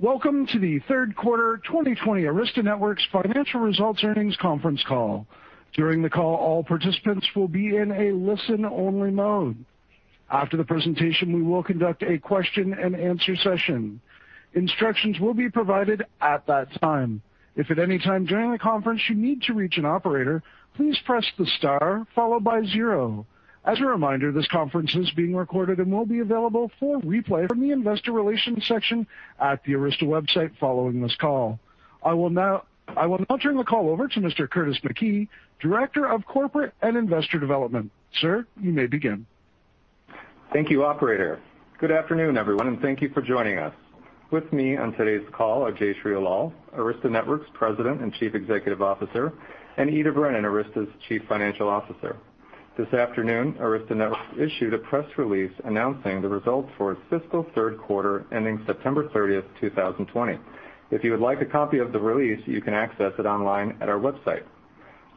Welcome to the third quarter 2020 Arista Networks financial results earnings conference call. During the call, all participants will be in a listen-only mode. After the presentation, we will conduct a question-and-answer session. Instructions will be provided at that time. If at any time during the conference you need to reach an operator, please press the star followed by zero. As a reminder, this conference is being recorded and will be available for replay from the Investor Relations section at the Arista website following this call. I will now turn the call over to Mr. Curtis McKee, Director of Corporate and Investor Development. Sir, you may begin. Thank you, operator. Good afternoon, everyone, thank you for joining us. With me on today's call are Jayshree Ullal, Arista Networks President and Chief Executive Officer, and Ita Brennan, Arista's Chief Financial Officer. This afternoon, Arista Networks issued a press release announcing the results for its fiscal third quarter ending September 30th, 2020. If you would like a copy of the release, you can access it online at our website.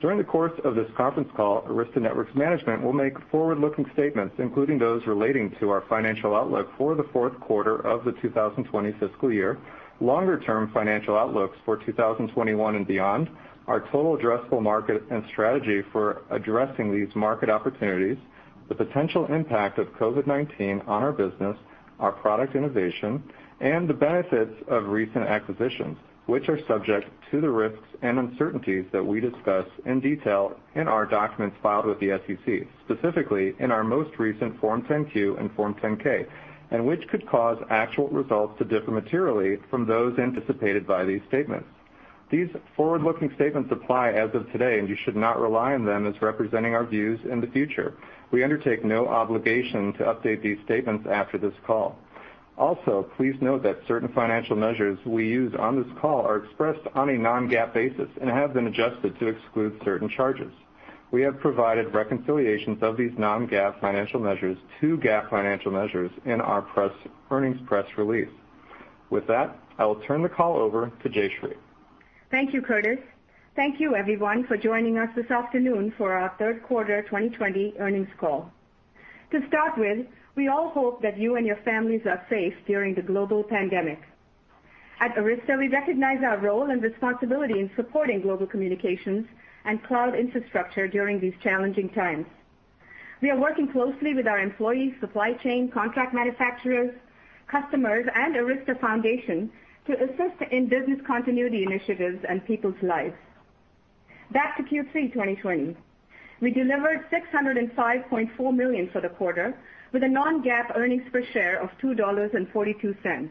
During the course of this conference call, Arista Networks management will make forward-looking statements, including those relating to our financial outlook for the fourth quarter of the 2020 fiscal year, longer-term financial outlooks for 2021 and beyond, our total addressable market and strategy for addressing these market opportunities, the potential impact of COVID-19 on our business, our product innovation, and the benefits of recent acquisitions, which are subject to the risks and uncertainties that we discuss in detail in our documents filed with the SEC, specifically in our most recent Form 10-Q and Form 10-K, and which could cause actual results to differ materially from those anticipated by these statements. These forward-looking statements apply as of today, you should not rely on them as representing our views in the future. We undertake no obligation to update these statements after this call. Please note that certain financial measures we use on this call are expressed on a non-GAAP basis and have been adjusted to exclude certain charges. We have provided reconciliations of these non-GAAP financial measures to GAAP financial measures in our earnings press release. With that, I will turn the call over to Jayshree. Thank you, Curtis. Thank you everyone for joining us this afternoon for our third quarter 2020 earnings call. To start with, we all hope that you and your families are safe during the global pandemic. At Arista, we recognize our role and responsibility in supporting global communications and cloud infrastructure during these challenging times. We are working closely with our employees, supply chain, contract manufacturers, customers, and Arista Foundation to assist in business continuity initiatives and people's lives. Back to Q3 2020. We delivered $605.4 million for the quarter with a non-GAAP earnings per share of $2.42.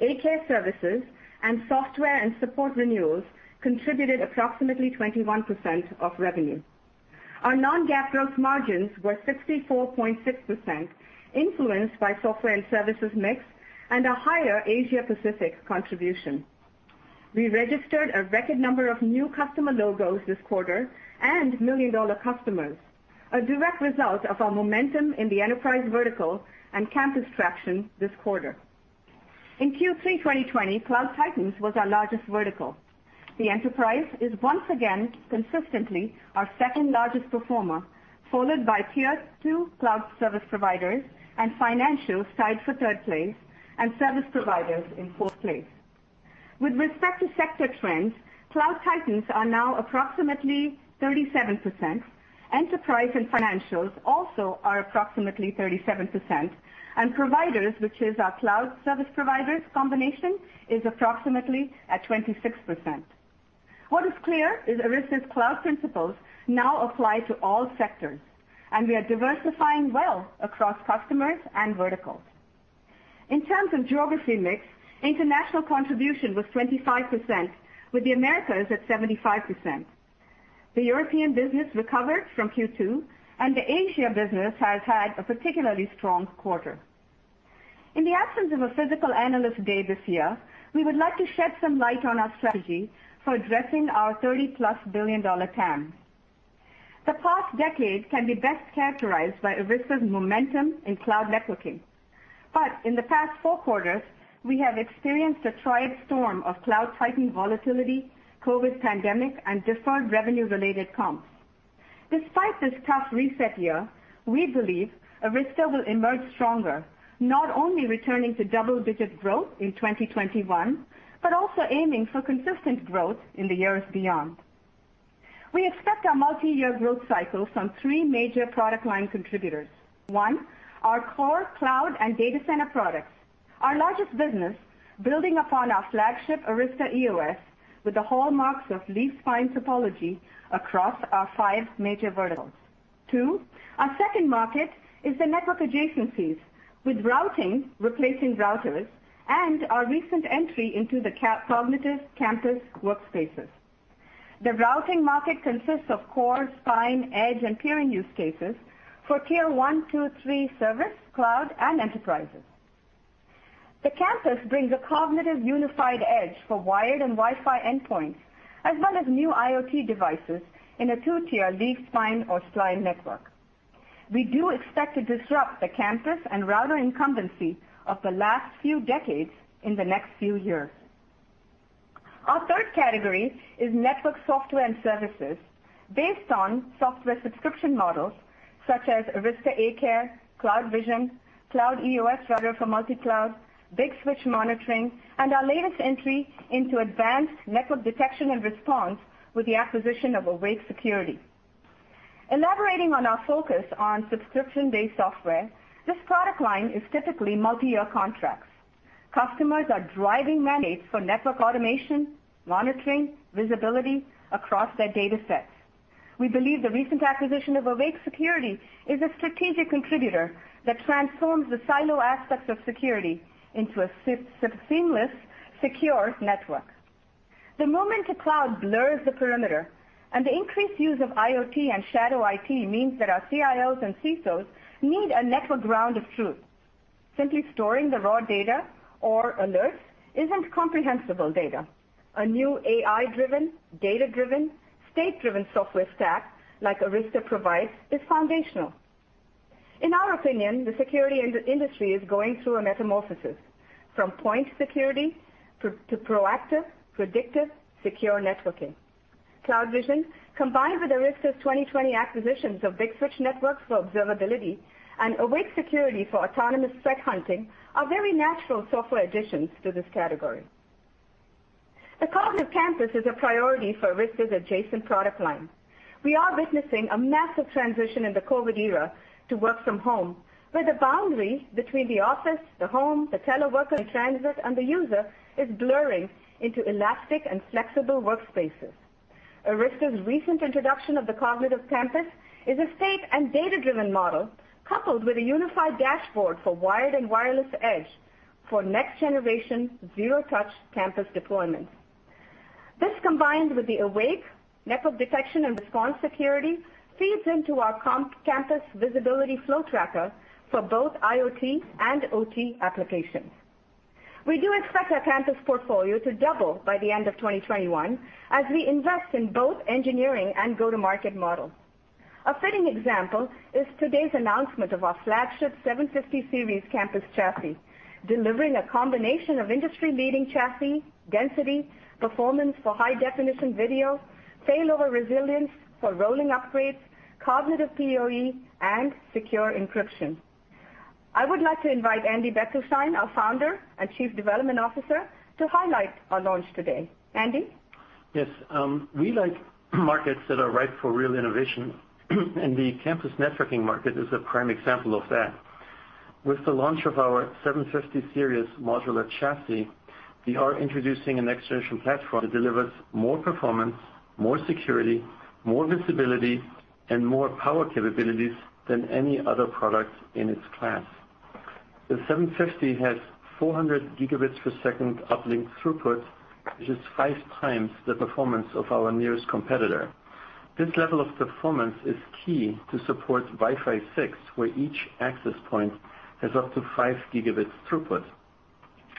A-Care Services and software and support renewals contributed approximately 21% of revenue. Our non-GAAP gross margins were 64.6%, influenced by software and services mix and a higher Asia-Pacific contribution. We registered a record number of new customer logos this quarter and million-dollar customers, a direct result of our momentum in the enterprise vertical and campus traction this quarter. In Q3 2020, cloud titans was our largest vertical. The enterprise is once again consistently our second-largest performer, followed by tier 2 cloud service providers, and financial tied for third place, and service providers in fourth place. With respect to sector trends, cloud titans are now approximately 37%, enterprise and financials also are approximately 37%, and providers, which is our cloud service providers combination, is approximately at 26%. What is clear is Arista's cloud principles now apply to all sectors, and we are diversifying well across customers and verticals. In terms of geography mix, international contribution was 25%, with the Americas at 75%. The European business recovered from Q2, and the Asia business has had a particularly strong quarter. In the absence of a physical Analyst Day this year, we would like to shed some light on our $30+ billion TAM. The past decade can be best characterized by Arista's momentum in cloud networking. In the past four quarters, we have experienced a triad storm of cloud titans volatility, COVID-19, and deferred revenue-related comps. Despite this tough reset year, we believe Arista will emerge stronger, not only returning to double-digit growth in 2021, but also aiming for consistent growth in the years beyond. We expect a multi-year growth cycle from three major product line contributors. One, our core cloud and data center products, our largest business, building upon our flagship Arista EOS with the hallmarks of leaf-spine topology across our five major verticals. Two, our second market is the network adjacencies with routing replacing routers and our recent entry into the cognitive campus workspaces. The routing market consists of core, spine, edge, and peering use cases for tier 1, 2, 3 service, cloud, and enterprises. The campus brings a cognitive unified edge for wired and Wi-Fi endpoints, as well as new IoT devices in a 2-tier leaf-spine or spline network. We do expect to disrupt the campus and router incumbency of the last few decades in the next few years. Our third category is network software and services based on software subscription models such as Arista A-Care, CloudVision, CloudEOS Router for multi-cloud, Big Switch monitoring, and our latest entry into advanced network detection and response with the acquisition of Awake Security. Elaborating on our focus on subscription-based software, this product line is typically multi-year contracts. Customers are driving mandates for network automation, monitoring, visibility across their data sets. We believe the recent acquisition of Awake Security is a strategic contributor that transforms the silo aspects of security into a seamless secure network. The moment a cloud blurs the perimeter and the increased use of IoT and shadow IT means that our CIOs and CSOs need a network ground of truth. Simply storing the raw data or alerts isn't comprehensible data. A new AI-driven, data-driven, state-driven software stack like Arista provides is foundational. In our opinion, the security industry is going through a metamorphosis from point security to proactive, predictive, secure networking. CloudVision, combined with Arista's 2020 acquisitions of Big Switch Networks for observability and Awake Security for autonomous threat hunting are very natural software additions to this category. The cognitive campus is a priority for Arista's adjacent product line. We are witnessing a massive transition in the COVID-19 era to work from home, where the boundary between the office, the home, the teleworker in transit, and the user is blurring into elastic and flexible workspaces. Arista's recent introduction of the cognitive campus is a state and data-driven model coupled with a unified dashboard for wired and wireless edge for next-generation zero-touch campus deployments. This, combined with the Awake network detection and response security, feeds into our campus visibility flow tracker for both IoT and OT applications. We do expect our campus portfolio to double by the end of 2021 as we invest in both engineering and go-to-market model. A fitting example is today's announcement of our flagship 750 Series campus chassis, delivering a combination of industry-leading chassis, density, performance for high-definition video, failover resilience for rolling upgrades, cognitive PoE, and secure encryption. I would like to invite Andy Bechtolsheim, our Founder and Chief Development Officer, to highlight our launch today. Andy? Yes. We like markets that are ripe for real innovation, and the campus networking market is a prime example of that. With the launch of our 750 Series modular chassis, we are introducing a next-generation platform that delivers more performance, more security, more visibility, and more power capabilities than any other product in its class. The 750 has 400 Gb per second uplink throughput, which is five times the performance of our nearest competitor. This level of performance is key to support Wi-Fi 6, where each access point has up to 5 Gb throughput.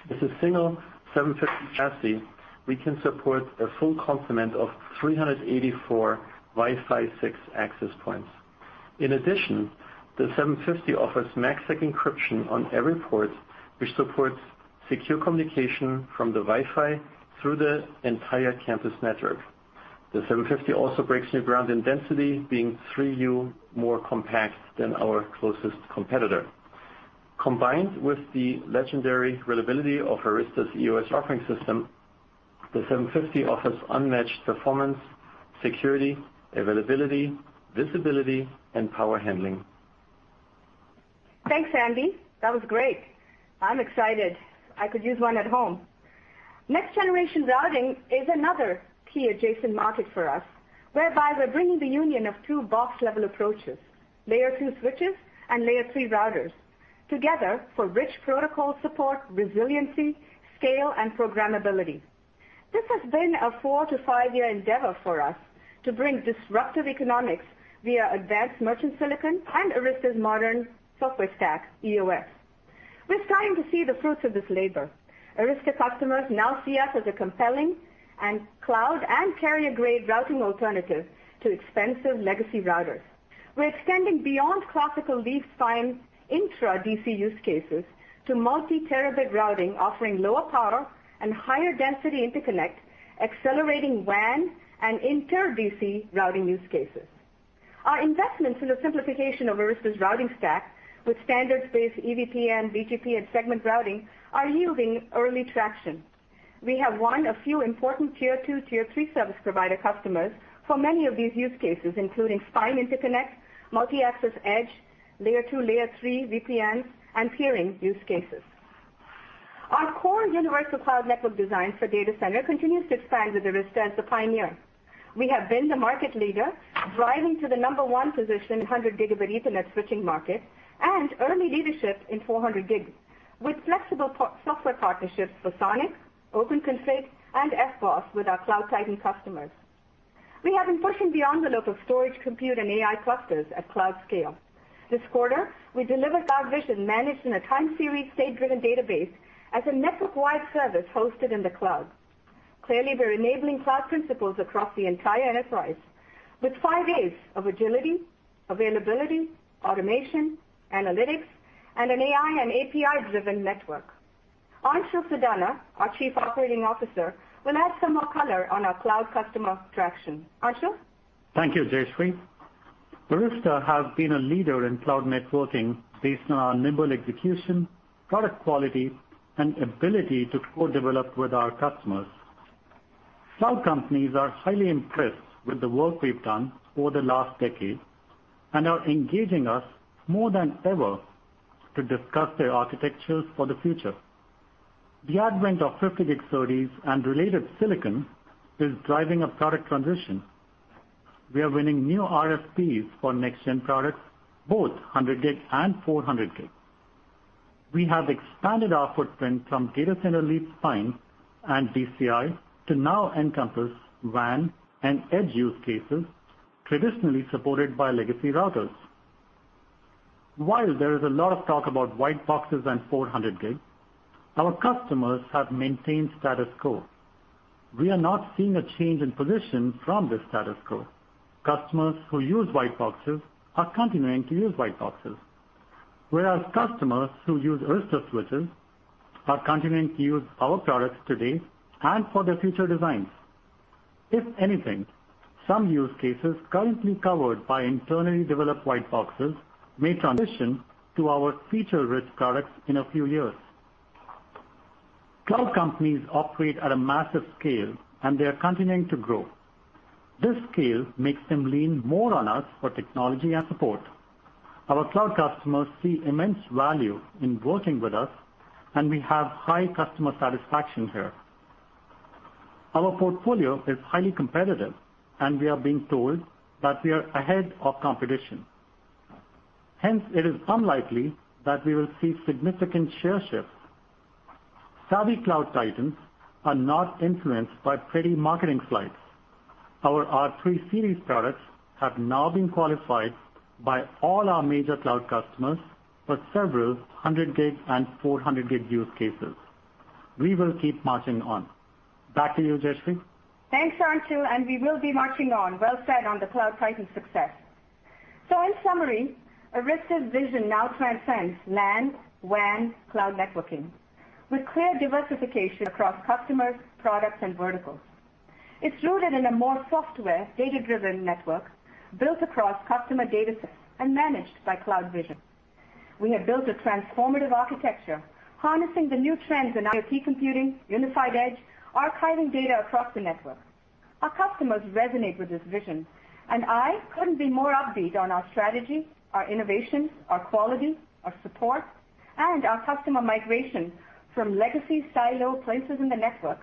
With a single 750 chassis, we can support a full complement of 384 Wi-Fi 6 access points. In addition, the 750 offers MACsec encryption on every port, which supports secure communication from the Wi-Fi through the entire campus network. The 750 also breaks new ground in density, being 3 U more compact than our closest competitor. Combined with the legendary reliability of Arista's EOS operating system, the 750 offers unmatched performance, security, availability, visibility, and power handling. Thanks, Andy. That was great. I'm excited. I could use one at home. Next-generation routing is another key adjacent market for us, whereby we're bringing the union of two box-level approaches, layer two switches and layer three routers, together for rich protocol support, resiliency, scale, and programmability. This has been a four to five-year endeavor for us to bring disruptive economics via advanced merchant silicon and Arista's modern software stack, EOS. We're starting to see the fruits of this labor. Arista customers now see us as a compelling and cloud and carrier-grade routing alternative to expensive legacy routers. We're extending beyond classical leaf-spine intra DC use cases to multi-terabit routing, offering lower power and higher density interconnect, accelerating WAN and inter DC routing use cases. Our investments in the simplification of Arista's routing stack with standards-based EVPN, BGP, and segment routing are yielding early traction. We have won a few important tier 2, tier 3 service provider customers for many of these use cases, including spine interconnect, multi-access edge, layer 2, layer 3 VPN, and peering use cases. Our core universal cloud network design for data center continues to expand with Arista as the pioneer. We have been the market leader driving to the number one position in 100 Gb Ethernet switching market and early leadership in 400 gig with flexible software partnerships for SONiC, OpenConfig, and FBOSS with our cloud titans customers. We have been pushing beyond the lots of storage, compute, and AI clusters at cloud scale. This quarter, we delivered CloudVision managed in a time series state-driven database as a network-wide service hosted in the cloud. Clearly, we're enabling cloud principles across the entire enterprise with five A's of agility, availability, automation, analytics, and an AI and API-driven network. Anshul Sadana, our Chief Operating Officer, will add some more color on our cloud customer traction. Anshul? Thank you, Jayshree. Arista has been a leader in cloud networking based on our nimble execution, product quality, and ability to co-develop with our customers. Cloud companies are highly impressed with the work we've done over the last decade and are engaging us more than ever to discuss their architectures for the future. The advent of 50 gig SerDes and related silicon is driving a product transition. We are winning new RFPs for next-gen products, both 100 gig and 400 gig. We have expanded our footprint from data center leaf spine and DCI to now encompass WAN and edge use cases traditionally supported by legacy routers. While there is a lot of talk about white boxes and 400 gig, our customers have maintained status quo. We are not seeing a change in position from this status quo. Customers who use white boxes are continuing to use white boxes, whereas customers who use Arista switches are continuing to use our products today and for their future designs. If anything, some use cases currently covered by internally developed white boxes may transition to our feature-rich products in a few years. Cloud companies operate at a massive scale, and they are continuing to grow. This scale makes them lean more on us for technology and support. Our cloud customers see immense value in working with us, and we have high customer satisfaction here. Our portfolio is highly competitive, and we are being told that we are ahead of competition. Hence, it is unlikely that we will see significant share shifts. Savvy cloud titans are not influenced by pretty marketing slides. Our R3-Series products have now been qualified by all our major cloud customers for several 100 gig and 400 gig use cases. We will keep marching on. Back to you, Jayshree. Thanks, Anshul. We will be marching on. Well said on the cloud titans success. In summary, Arista's vision now transcends LAN, WAN, cloud networking with clear diversification across customers, products, and verticals. It's rooted in a more software, data-driven network built across customer data sets and managed by CloudVision. We have built a transformative architecture harnessing the new trends in IoT computing, unified edge, archiving data across the network. Our customers resonate with this vision, and I couldn't be more upbeat on our strategy, our innovation, our quality, our support, and our customer migration from legacy silo places in the network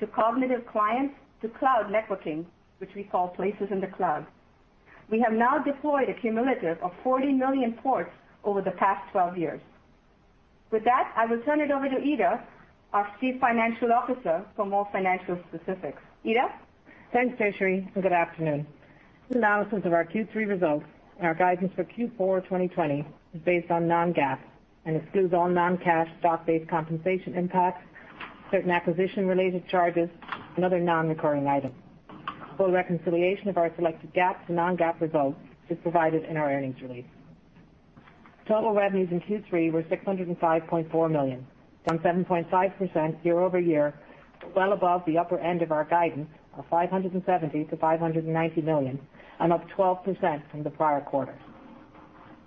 to cognitive clients to cloud networking, which we call places in the cloud. We have now deployed a cumulative of 40 million ports over the past 12 years. With that, I will turn it over to Ita, our Chief Financial Officer, for more financial specifics. Ita? Thanks, Jayshree. Good afternoon. Analysis of our Q3 results and our guidance for Q4 2020 is based on non-GAAP and excludes all non-cash stock-based compensation impacts, certain acquisition-related charges, and other non-recurring items. A full reconciliation of our selected GAAP to non-GAAP results is provided in our earnings release. Total revenues in Q3 were $605.4 million, down 7.5% year-over-year, well above the upper end of our guidance of $570 million-$590 million and up 12% from the prior quarter.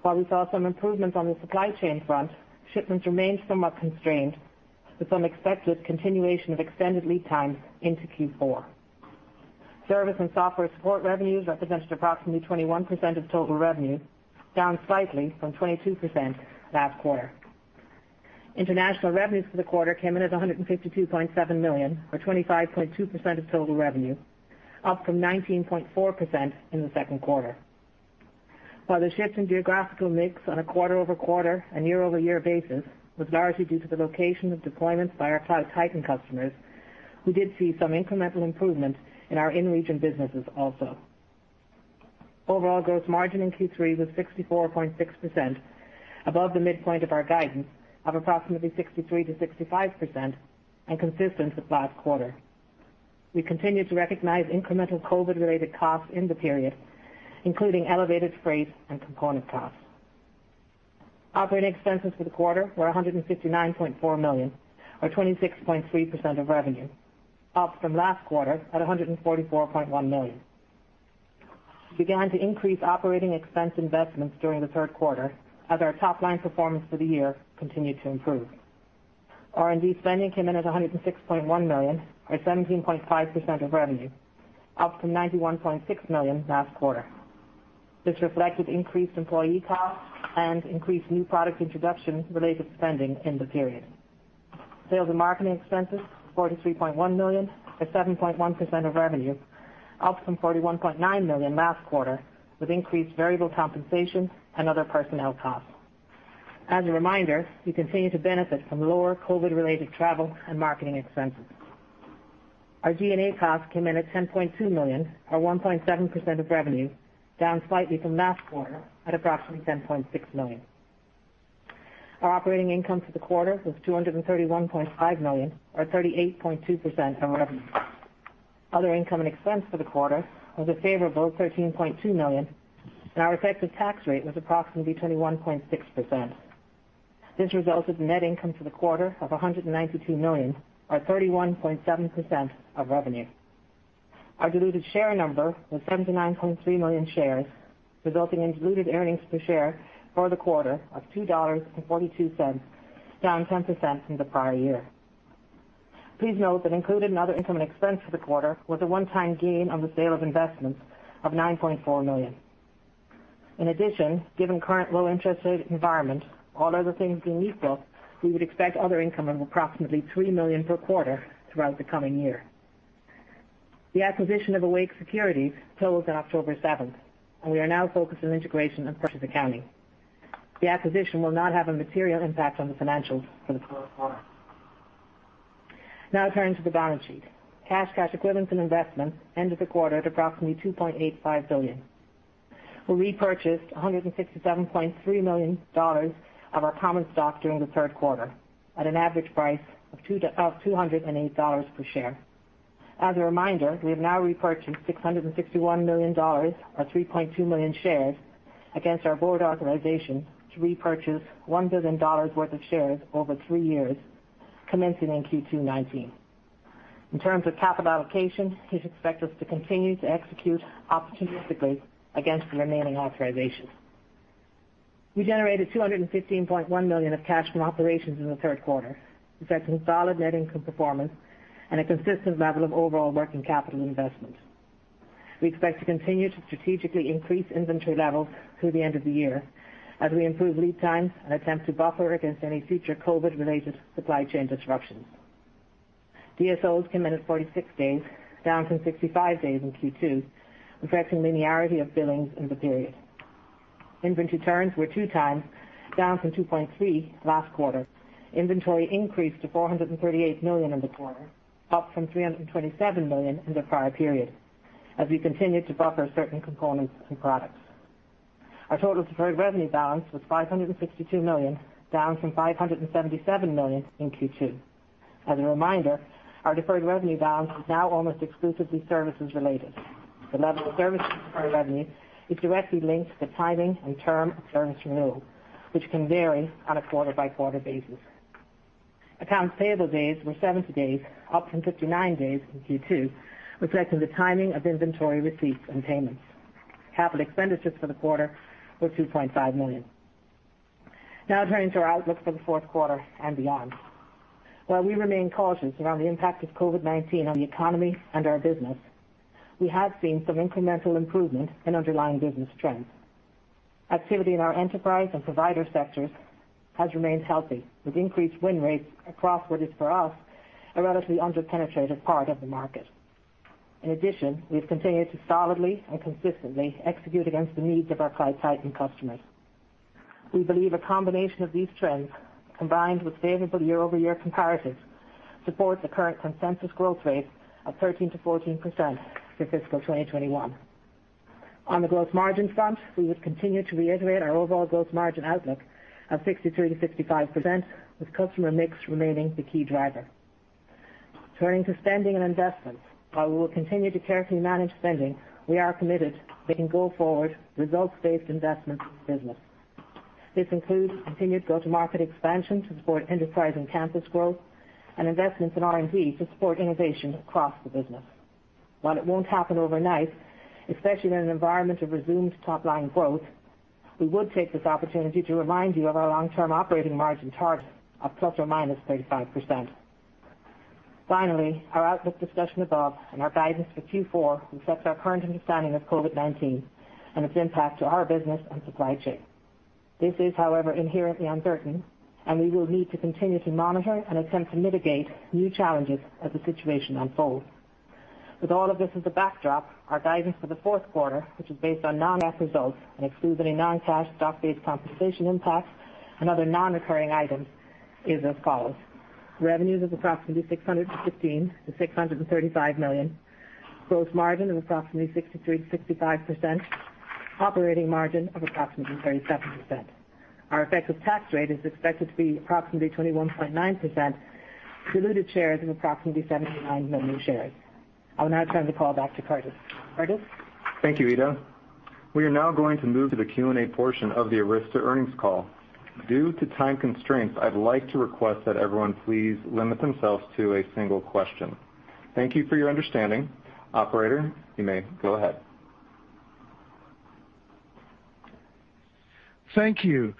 While we saw some improvements on the supply chain front, shipments remained somewhat constrained, with some expected continuation of extended lead times into Q4. Service and software support revenues represented approximately 21% of total revenue, down slightly from 22% last quarter. International revenues for the quarter came in at $152.7 million, or 25.2% of total revenue, up from 19.4% in the second quarter. While the shift in geographical mix on a quarter-over-quarter and year-over-year basis was largely due to the location of deployments by our cloud titans customers, we did see some incremental improvement in our in-region businesses also. Overall gross margin in Q3 was 64.6%, above the midpoint of our guidance of approximately 63%-65% and consistent with last quarter. We continue to recognize incremental COVID-related costs in the period, including elevated freight and component costs. Operating expenses for the quarter were $159.4 million, or 26.3% of revenue, up from last quarter at $144.1 million. We began to increase operating expense investments during the third quarter as our top-line performance for the year continued to improve. R&D spending came in at $106.1 million, or 17.5% of revenue, up from $91.6 million last quarter. This reflected increased employee costs and increased new product introduction-related spending in the period. Sales and marketing expenses, $43.1 million or 7.1% of revenue, up from $41.9 million last quarter, with increased variable compensation and other personnel costs. As a reminder, we continue to benefit from lower COVID-related travel and marketing expenses. Our G&A costs came in at $10.2 million or 1.7% of revenue, down slightly from last quarter at approximately $10.6 million. Our operating income for the quarter was $231.5 million or 38.2% of revenue. Other income and expense for the quarter was a favorable $13.2 million, and our effective tax rate was approximately 21.6%. This resulted in net income for the quarter of $192 million, or 31.7% of revenue. Our diluted share number was 79.3 million shares, resulting in diluted earnings per share for the quarter of $2.42, down 10% from the prior year. Please note that included in other income and expense for the quarter was a one-time gain on the sale of investments of $9.4 million. In addition, given current low interest rate environment, all other things being equal, we would expect other income of approximately $3 million per quarter throughout the coming year. The acquisition of Awake Security closed on October 7th, and we are now focused on integration and purchase accounting. The acquisition will not have a material impact on the financials for the current quarter. Now turning to the balance sheet. Cash, cash equivalents, and investments ended the quarter at approximately $2.85 billion. We repurchased $167.3 million of our common stock during the third quarter at an average price of $208 per share. As a reminder, we have now repurchased $661 million, or 3.2 million shares, against our board authorization to repurchase $1 billion worth of shares over three years, commencing in Q2 2019. In terms of capital allocation, please expect us to continue to execute opportunistically against the remaining authorization. We generated $215.1 million of cash from operations in the third quarter, reflecting solid net income performance and a consistent level of overall working capital investment. We expect to continue to strategically increase inventory levels through the end of the year as we improve lead times and attempt to buffer against any future COVID-related supply chain disruptions. DSOs came in at 46 days, down from 65 days in Q2, reflecting linearity of billings in the period. Inventory turns were 2x, down from 2.3x last quarter. Inventory increased to $438 million in the quarter, up from $327 million in the prior period, as we continued to buffer certain components and products. Our total deferred revenue balance was $562 million, down from $577 million in Q2. As a reminder, our deferred revenue balance is now almost exclusively services related. The level of services deferred revenue is directly linked to timing and term of services won, which can vary on a quarter-by-quarter basis. Accounts payable days were 70 days, up from 59 days in Q2, reflecting the timing of inventory receipts and payments. Capital expenditures for the quarter were $2.5 million. Now turning to our outlook for the fourth quarter and beyond. While we remain cautious around the impact of COVID-19 on the economy and our business, we have seen some incremental improvement in underlying business trends. Activity in our enterprise and provider sectors has remained healthy with increased win rates across what is, for us, a relatively under-penetrated part of the market. In addition, we've continued to solidly and consistently execute against the needs of our cloud titans customers. We believe a combination of these trends, combined with favorable year-over-year comparatives, support the current consensus growth rate of 13%-14% for fiscal 2021. On the gross margin front, we would continue to reiterate our overall gross margin outlook of 63%-65%, with customer mix remaining the key driver. Turning to spending and investments. While we will continue to carefully manage spending, we are committed to making go-forward results-based investments in the business. This includes continued go-to-market expansion to support enterprise and campus growth and investments in R&D to support innovation across the business. While it won't happen overnight, especially in an environment of resumed top-line growth, we would take this opportunity to remind you of our long-term operating margin target of ±35%. Our outlook discussion above and our guidance for Q4 reflects our current understanding of COVID-19 and its impact to our business and supply chain. This is, however, inherently uncertain, and we will need to continue to monitor and attempt to mitigate new challenges as the situation unfolds. With all of this as a backdrop, our guidance for the fourth quarter, which is based on non-GAAP results and excludes any non-cash stock-based compensation impacts and other non-recurring items, is as follows. Revenues of approximately $615 million-$635 million, gross margin of approximately 63%-65%, operating margin of approximately 37%. Our effective tax rate is expected to be approximately 21.9%, diluted shares of approximately 79 million shares. I will now turn the call back to Curtis. Curtis? Thank you, Ita. We are now going to move to the Q&A portion of the Arista earnings call. Due to time constraints, I'd like to request that everyone please limit themselves to a single question. Thank you for your understanding. Operator, you may go ahead. Thank you.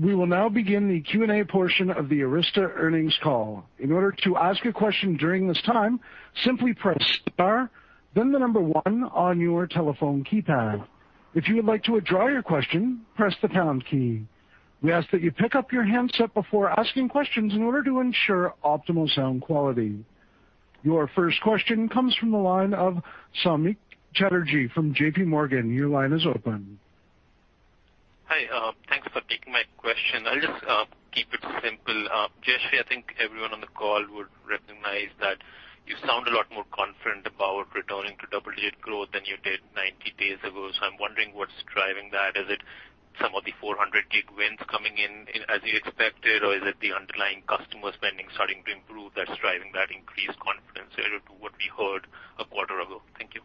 We will now begin the Q&A portion of the Arista earnings call. In order to ask a question during this time, simply press star, then the number one on your telephone keypad. If you would like to withdraw your question, press the pound key. We ask that you pick up your handset before asking questions in order to ensure optimal sound quality. Your first question comes from the line of Samik Chatterjee from JPMorgan. Your line is open. Hi. Thanks for taking my question. I'll just keep it simple. Jayshree, I think everyone on the call would recognize that you sound a lot more confident about returning to double-digit growth than you did 90 days ago. I'm wondering what's driving that. Is it some of the 400 gig wins coming in as you expected, or is it the underlying customer spending starting to improve that's driving that increased confidence compared to what we heard a quarter ago? Thank you.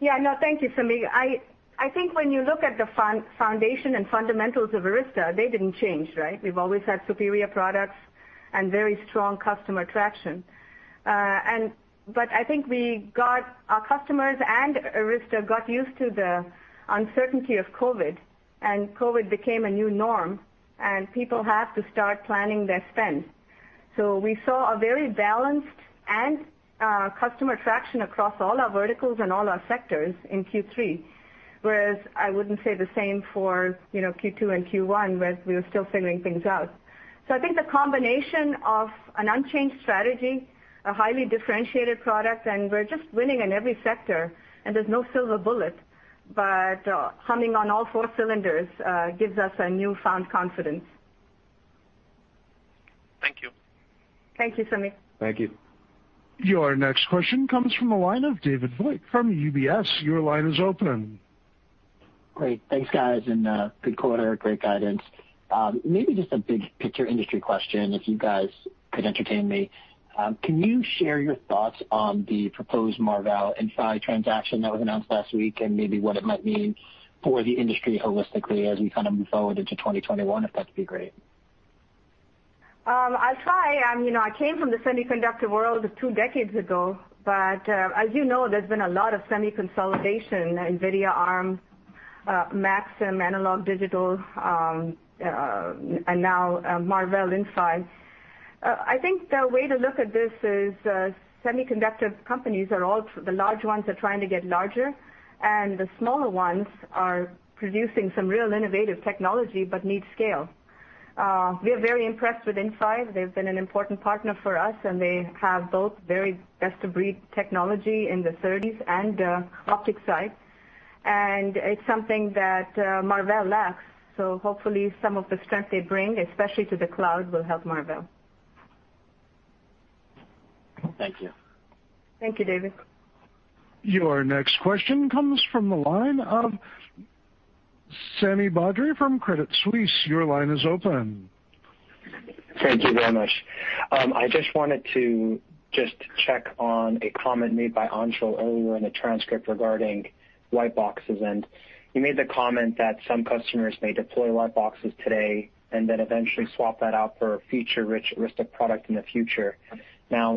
Yeah, no, thank you, Samik. I think when you look at the foundation and fundamentals of Arista, they didn't change, right? We've always had superior products and very strong customer traction. I think our customers and Arista got used to the uncertainty of COVID, and COVID became a new norm, and people have to start planning their spend. We saw a very balanced and customer traction across all our verticals and all our sectors in Q3, whereas I wouldn't say the same for Q2 and Q1, where we were still figuring things out. I think the combination of an unchanged strategy, a highly differentiated product, and we're just winning in every sector, and there's no silver bullet, but humming on all four cylinders gives us a newfound confidence. Thank you. Thank you, Samik. Thank you. Your next question comes from the line of David Vogt from UBS. Your line is open. Great. Thanks, guys, and good quarter, great guidance. Maybe just a big picture industry question, if you guys could entertain me. Can you share your thoughts on the proposed Marvell and Inphi transaction that was announced last week, and maybe what it might mean for the industry holistically as we move forward into 2021? If that'd be great. I'll try. I came from the semiconductor world two decades ago, but as you know, there's been a lot of semi consolidation, NVIDIA, ARM, Maxim, Analog, Digital, and now Marvell, Inphi. I think the way to look at this is semiconductor companies, the large ones are trying to get larger, and the smaller ones are producing some real innovative technology but need scale. We are very impressed with Inphi. They've been an important partner for us, and they have both very best-of-breed technology in the SerDes and the optic side. It's something that Marvell lacks. Hopefully, some of the strength they bring, especially to the cloud, will help Marvell. Thank you. Thank you, David. Your next question comes from the line of Sami Badri from Credit Suisse. Your line is open. Thank you very much. I just wanted to just check on a comment made by Anshul earlier in the transcript regarding white boxes, and you made the comment that some customers may deploy white boxes today and then eventually swap that out for a feature-rich Arista product in the future.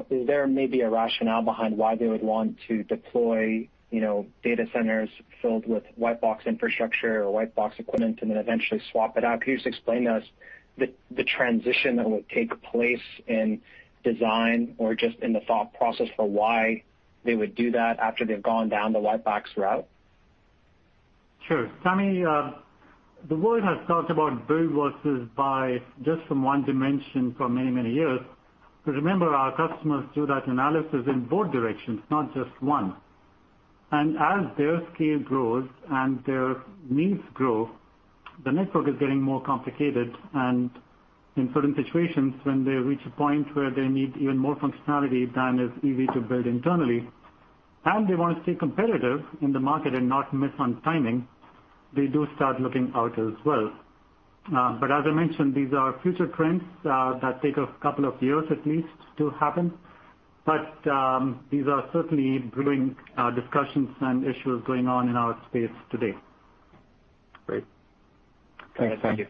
Is there maybe a rationale behind why they would want to deploy data centers filled with white box infrastructure or white box equipment and then eventually swap it out? Can you just explain to us the transition that would take place in design or just in the thought process for why they would do that after they've gone down the white box route? Sure. Sami, the world has talked about white boxes by just from one dimension for many, many years. Remember, our customers do that analysis in both directions, not just one. As their scale grows and their needs grow, the network is getting more complicated. In certain situations, when they reach a point where they need even more functionality than is easy to build internally, and they want to stay competitive in the market and not miss on timing, they do start looking out as well. As I mentioned, these are future trends that take a couple of years at least to happen. These are certainly brewing discussions and issues going on in our space today. Great. Thank you.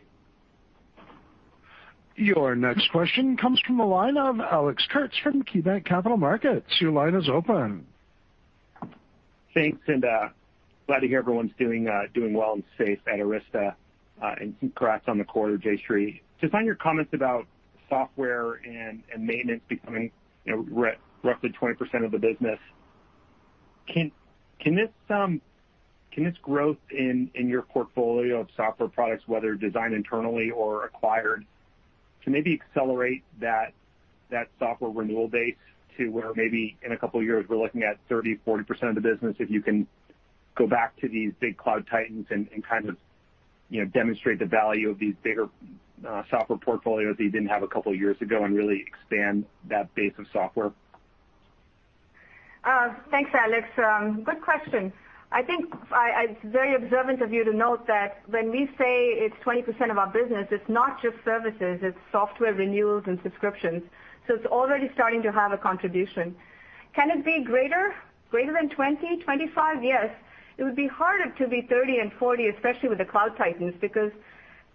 Your next question comes from the line of Alex Kurtz from KeyBanc Capital Markets. Your line is open. Thanks, and glad to hear everyone's doing well and safe at Arista. Congrats on the quarter, Jayshree. Just on your comments about software and maintenance becoming roughly 20% of the business. Can this growth in your portfolio of software products, whether designed internally or acquired, to maybe accelerate that software renewal base to where maybe in a couple of years, we're looking at 30%, 40% of the business if you can go back to these big cloud titans and kind of demonstrate the value of these bigger software portfolios that you didn't have a couple of years ago and really expand that base of software? Thanks, Alex. Good question. I think it's very observant of you to note that when we say it's 20% of our business, it's not just services, it's software renewals and subscriptions. It's already starting to have a contribution. Can it be greater? Greater than 20%, 25%? Yes. It would be harder to be 30% and 40%, especially with the cloud titans, because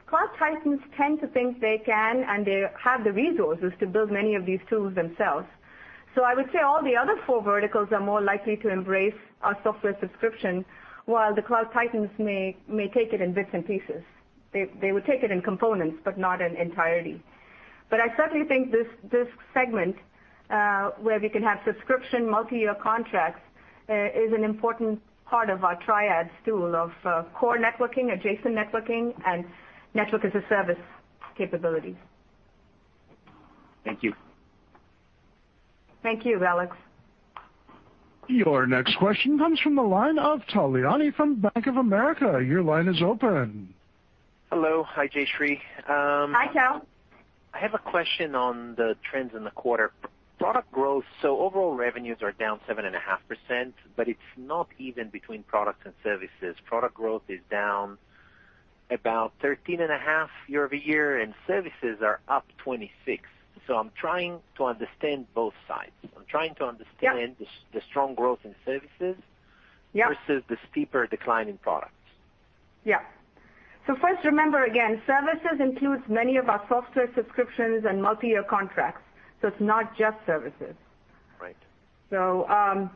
cloud titans tend to think they can, and they have the resources to build many of these tools themselves. I would say all the other four verticals are more likely to embrace our software subscription, while the cloud titans may take it in bits and pieces. They would take it in components, but not in entirety. I certainly think this segment, where we can have subscription multi-year contracts, is an important part of our triad stool of core networking, adjacent networking, and network as a service capability. Thank you. Thank you, Alex. Your next question comes from the line of Tal Liani from Bank of America. Hello. Hi, Jayshree. Hi, Tal. I have a question on the trends in the quarter. Product growth, overall revenues are down 7.5%, but it's not even between product and services. Product growth is down about 13.5% year-over-year, and services are up 26%. I'm trying to understand both sides. Yeah The strong growth in services- Yeah Versus the steeper decline in products. Yeah. First, remember, again, services includes many of our software subscriptions and multi-year contracts, so it's not just services. Right. Whereas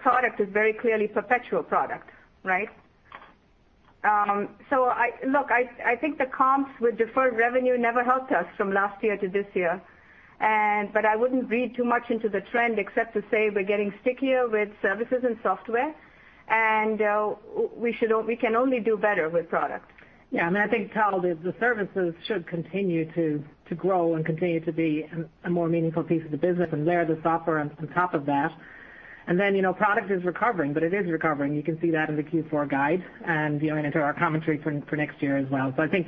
product is very clearly perpetual product, right? Look, I think the comps with deferred revenue never helped us from last year to this year. I wouldn't read too much into the trend except to say we're getting stickier with services and software, and we can only do better with product. I think, Tal, the services should continue to grow and continue to be a more meaningful piece of the business, and layer the software on top of that. Product is recovering, but it is recovering. You can see that in the Q4 guide and into our commentary for next year as well. I think,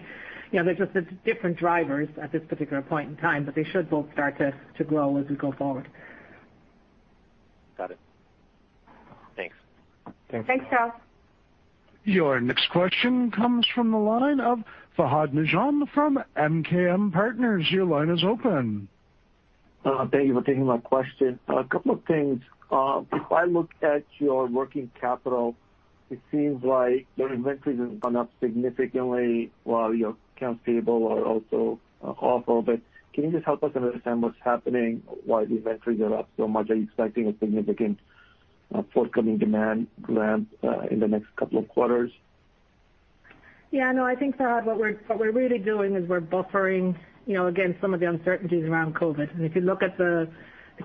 there's just different drivers at this particular point in time, but they should both start to grow as we go forward. Got it. Thanks. Thanks, Tal. Your next question comes from the line of Fahad Najam from MKM Partners. Your line is open. Thank you for taking my question. A couple of things. If I look at your working capital, it seems like your inventories have gone up significantly while your accounts payable are also up a lot. Can you just help us understand what's happening, why the inventories are up so much? Are you expecting a significant forthcoming demand ramp in the next couple of quarters? Yeah, no, I think, Fahad, what we're really doing is we're buffering against some of the uncertainties around COVID. If you look at the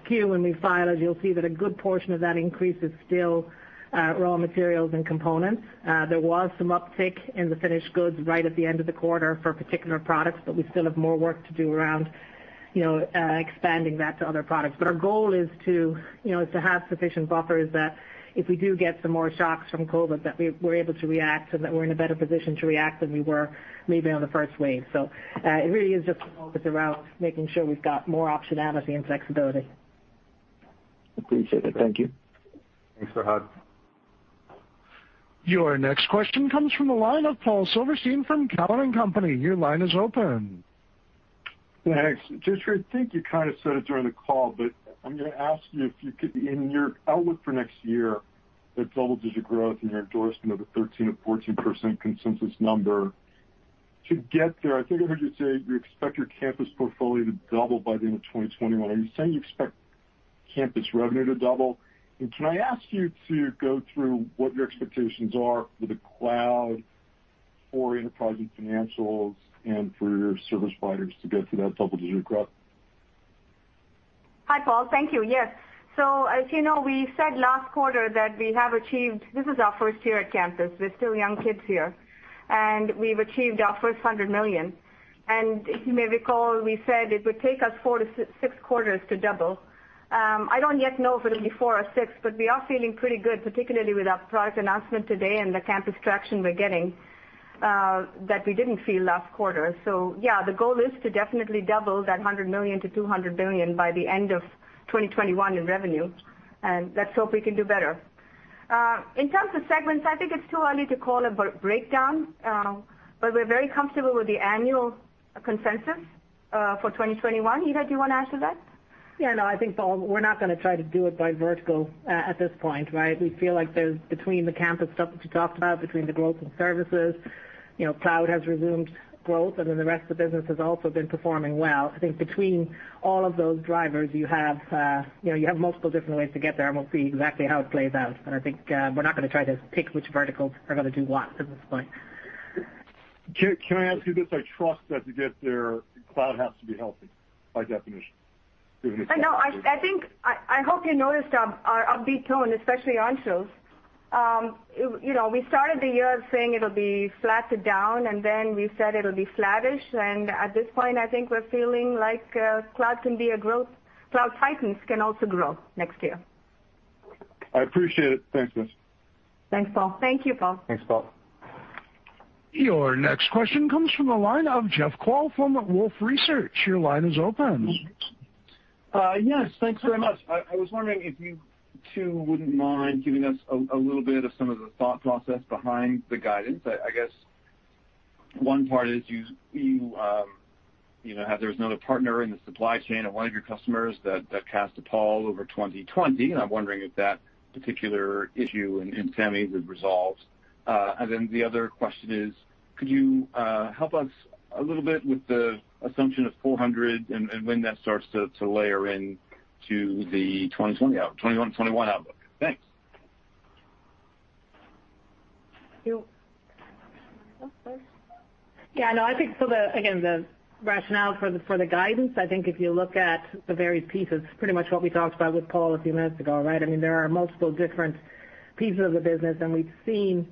Q when we filed, you'll see that a good portion of that increase is still raw materials and components. There was some uptick in the finished goods right at the end of the quarter for particular products, but we still have more work to do around expanding that to other products. Our goal is to have sufficient buffers that if we do get some more shocks from COVID, that we're able to react and that we're in a better position to react than we were maybe on the first wave. It really is just an oversight around making sure we've got more optionality and flexibility. Appreciate it. Thank you. Thanks, Fahad. Your next question comes from the line of Paul Silverstein from Cowen and Company. Your line is open. Thanks. Jayshree, I think you kind of said it during the call, but I am going to ask you if you could, in your outlook for next year, that double-digit growth and your endorsement of the 13%-14% consensus number. To get there, I think I heard you say you expect your Campus portfolio to double by the end of 2021. Are you saying you expect Campus revenue to double? Can I ask you to go through what your expectations are for the cloud, for enterprise and financials, and for your service providers to go through that double-digit growth? Hi, Paul. Thank you. Yes. As you know, we said last quarter that this is our first year at Campus. We're still young kids here, and we've achieved our first $100 million. If you may recall, we said it would take us four to six quarters to double. I don't yet know if it'll be four or six, but we are feeling pretty good, particularly with our product announcement today and the Campus traction we're getting, that we didn't feel last quarter. Yeah, the goal is to definitely double that $100 million to $200 billion by the end of 2021 in revenue, and let's hope we can do better. In terms of segments, I think it's too early to call a breakdown, but we're very comfortable with the annual consensus for 2021. Ita, do you want to add to that? Yeah, no. I think, Paul, we're not going to try to do it by vertical at this point, right? We feel like there's between the Campus stuff that you talked about, between the growth in services, cloud has resumed growth, then the rest of the business has also been performing well. I think between all of those drivers, you have multiple different ways to get there, we'll see exactly how it plays out. I think we're not going to try to pick which verticals are going to do what at this point. Can I ask you this? I trust that to get there, cloud has to be healthy, by definition. I think, I hope you noticed our upbeat tone, especially on clouds. We started the year saying it'll be flat to down, then we said it'll be flattish, at this point, I think we're feeling like cloud can be a growth. Cloud titans can also grow next year. I appreciate it. Thanks. Thanks, Paul. Thank you, Paul. Your next question comes from the line of Jeff Kvaal from Wolfe Research. Your line is open. Yes, thanks very much. I was wondering if you two wouldn't mind giving us a little bit of some of the thought process behind the guidance. I guess one part is you have there's another partner in the supply chain at one of your customers that cast a pall over 2020, and I'm wondering if that particular issue in semis is resolved. The other question is, could you help us a little bit with the assumption of 400 and when that starts to layer into the 2021 outlook? Thanks. You. Yeah, no, I think for the, again, the rationale for the guidance, I think if you look at the various pieces, pretty much what we talked about with Paul a few minutes ago, right? There are multiple different pieces of the business, and we've seen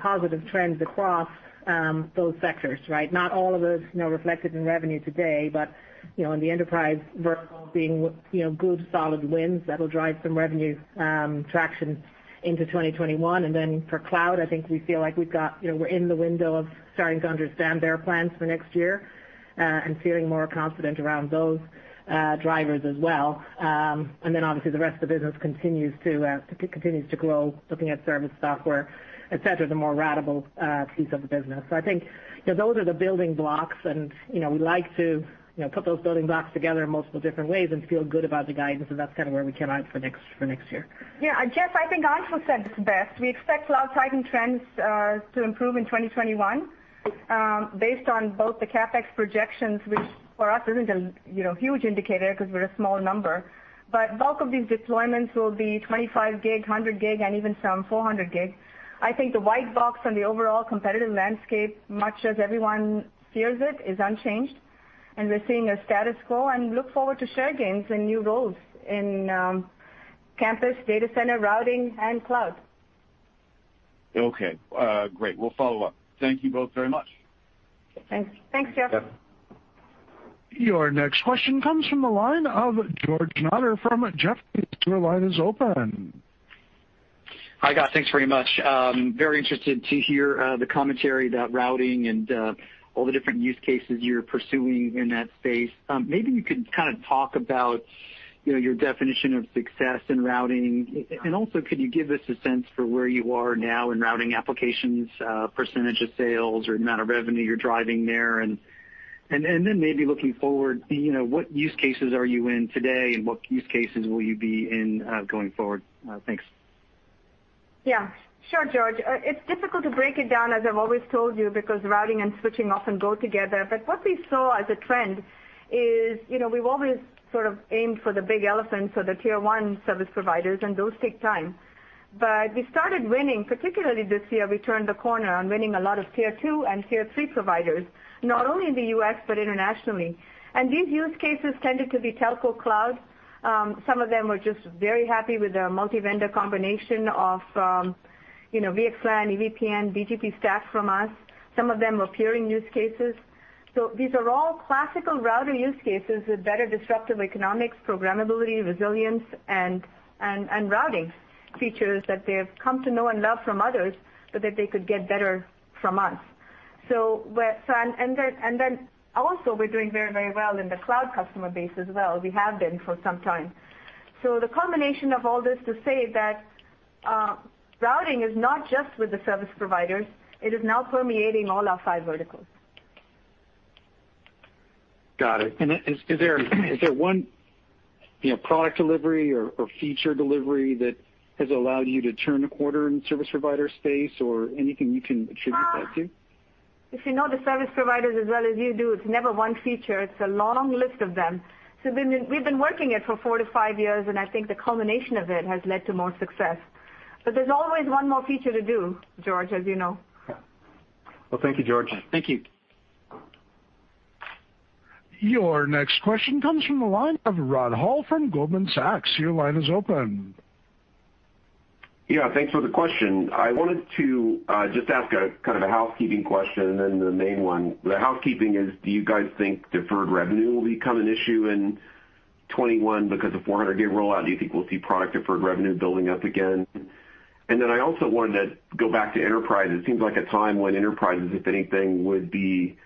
positive trends across those sectors, right? Not all of those reflected in revenue today, but in the enterprise vertical being good solid wins that'll drive some revenue traction into 2021. For cloud, I think we feel like we're in the window of starting to understand their plans for next year and feeling more confident around those drivers as well. Obviously the rest of the business continues to grow, looking at service software, et cetera, the more ratable piece of the business. I think those are the building blocks, and we like to put those building blocks together in multiple different ways and feel good about the guidance. That's kind of where we came out for next year. Yeah. Jeff, I think Anshul said this best. We expect cloud titans trends to improve in 2021 based on both the CapEx projections, which for us isn't a huge indicator because we're a small number. Bulk of these deployments will be 25 gig, 100 gig, and even some 400 gig. I think the white box and the overall competitive landscape, much as everyone fears it, is unchanged. We're seeing a status quo and look forward to share gains and new roles in campus, data center, routing, and cloud. Okay. Great. We'll follow up. Thank you both very much. Thanks. Thanks, Jeff. Your next question comes from the line of George Notter from Jefferies. Your line is open. Hi, guys. Thanks very much. Very interested to hear the commentary about routing and all the different use cases you're pursuing in that space. Maybe you could kind of talk about your definition of success in routing. Also, could you give us a sense for where you are now in routing applications, percentage of sales or amount of revenue you're driving there? Then maybe looking forward, what use cases are you in today, and what use cases will you be in going forward? Thanks. Yeah. Sure, George. It's difficult to break it down, as I've always told you, because routing and switching often go together. What we saw as a trend is we've always sort of aimed for the big elephants or the tier 1 service providers, and those take time. We started winning, particularly this year, we turned the corner on winning a lot of tier 2 and tier 3 providers, not only in the U.S. but internationally. These use cases tended to be telco cloud. Some of them were just very happy with their multi-vendor combination of VXLAN, EVPN, BGP Stack from us. Some of them were peering use cases. These are all classical router use cases with better disruptive economics, programmability, resilience, and routing features that they have come to know and love from others, but that they could get better from us. Also, we're doing very well in the cloud customer base as well. We have been for some time. The culmination of all this to say that routing is not just with the service providers. It is now permeating all our five verticals. Got it. Is there one product delivery or feature delivery that has allowed you to turn a corner in service provider space or anything you can attribute that to? If you know the service providers as well as you do, it's never one feature. It's a long list of them. We've been working it for four to five years, and I think the culmination of it has led to more success. There's always one more feature to do, George, as you know. Well, thank you, George. Thank you. Your next question comes from the line of Rod Hall from Goldman Sachs. Your line is open. Yeah, thanks for the question. I wanted to just ask a kind of a housekeeping question and then the main one. The housekeeping is, do you guys think deferred revenue will become an issue in 2021 because of 400 gig rollout? Do you think we'll see product deferred revenue building up again? I also wanted to go back to enterprise. It seems like a time when enterprises, if anything, would be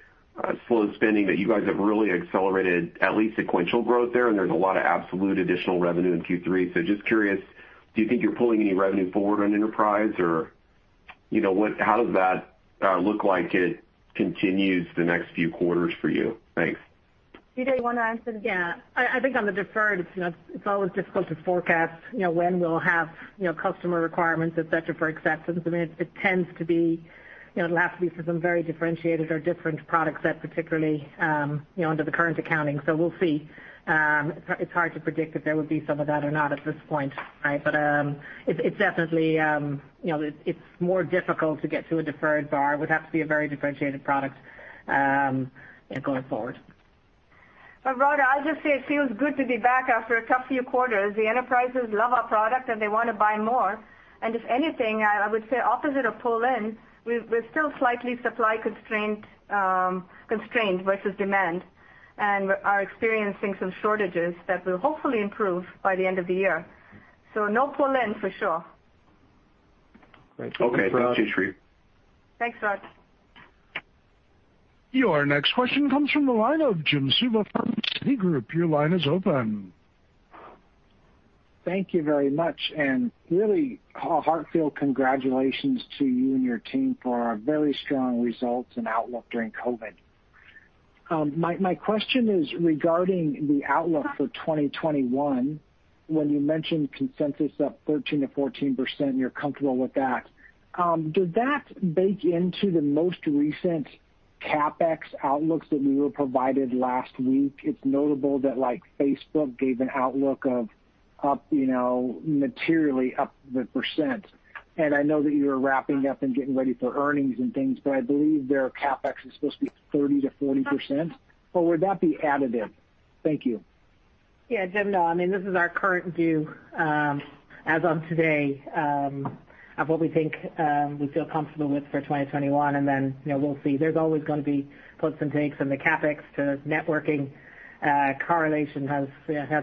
slow spending, that you guys have really accelerated at least sequential growth there, and there's a lot of absolute additional revenue in Q3. Just curious, do you think you're pulling any revenue forward on enterprise? How does that look like it continues the next few quarters for you? Thanks. Ita, you want to answer this? Yeah. I think on the deferred, it's always difficult to forecast when we'll have customer requirements, et cetera, for acceptance. It tends to be, it'll have to be for some very differentiated or different product set, particularly under the current accounting. We'll see. It's hard to predict if there would be some of that or not at this point, right? It's more difficult to get to a deferred bar. It would have to be a very differentiated product going forward. Rod, I'll just say it feels good to be back after a tough few quarters. The enterprises love our product, and they want to buy more. If anything, I would say opposite of pull-in, we're still slightly supply constrained versus demand, and are experiencing some shortages that will hopefully improve by the end of the year. No pull-in for sure. Okay. Thanks, Jayshree. Thanks, Rod. Your next question comes from the line of Jim Suva from Citigroup. Your line is open. Thank you very much, and really a heartfelt congratulations to you and your team for a very strong result and outlook during COVID-19. My question is regarding the outlook for 2021. When you mentioned consensus up 13%-14% and you're comfortable with that, does that bake into the most recent CapEx outlooks that we were provided last week? It's notable that like Facebook gave an outlook of materially up the percent, and I know that you're wrapping up and getting ready for earnings and things, but I believe their CapEx is supposed to be 30%-40%, or would that be additive? Thank you. Yeah, Jim, no, this is our current view as of today of what we think we feel comfortable with for 2021, then we'll see. There's always going to be puts and takes in the CapEx to networking correlation has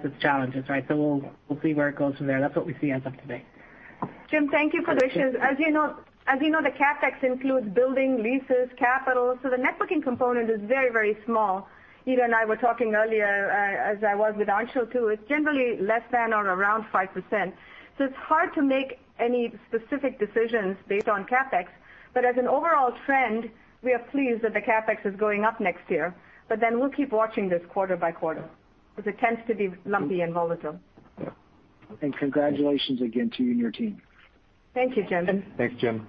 its challenges, right? We'll see where it goes from there. That's what we see as of today. Jim, thank you for the question. As you know, the CapEx includes building leases, capital. The networking component is very, very small. Ita and I were talking earlier, as I was with Anshul too, it's generally less than or around 5%. It's hard to make any specific decisions based on CapEx, but as an overall trend, we are pleased that the CapEx is going up next year. We'll keep watching this quarter by quarter, because it tends to be lumpy and volatile. Congratulations again to you and your team. Thank you, Jim. Thanks, Jim.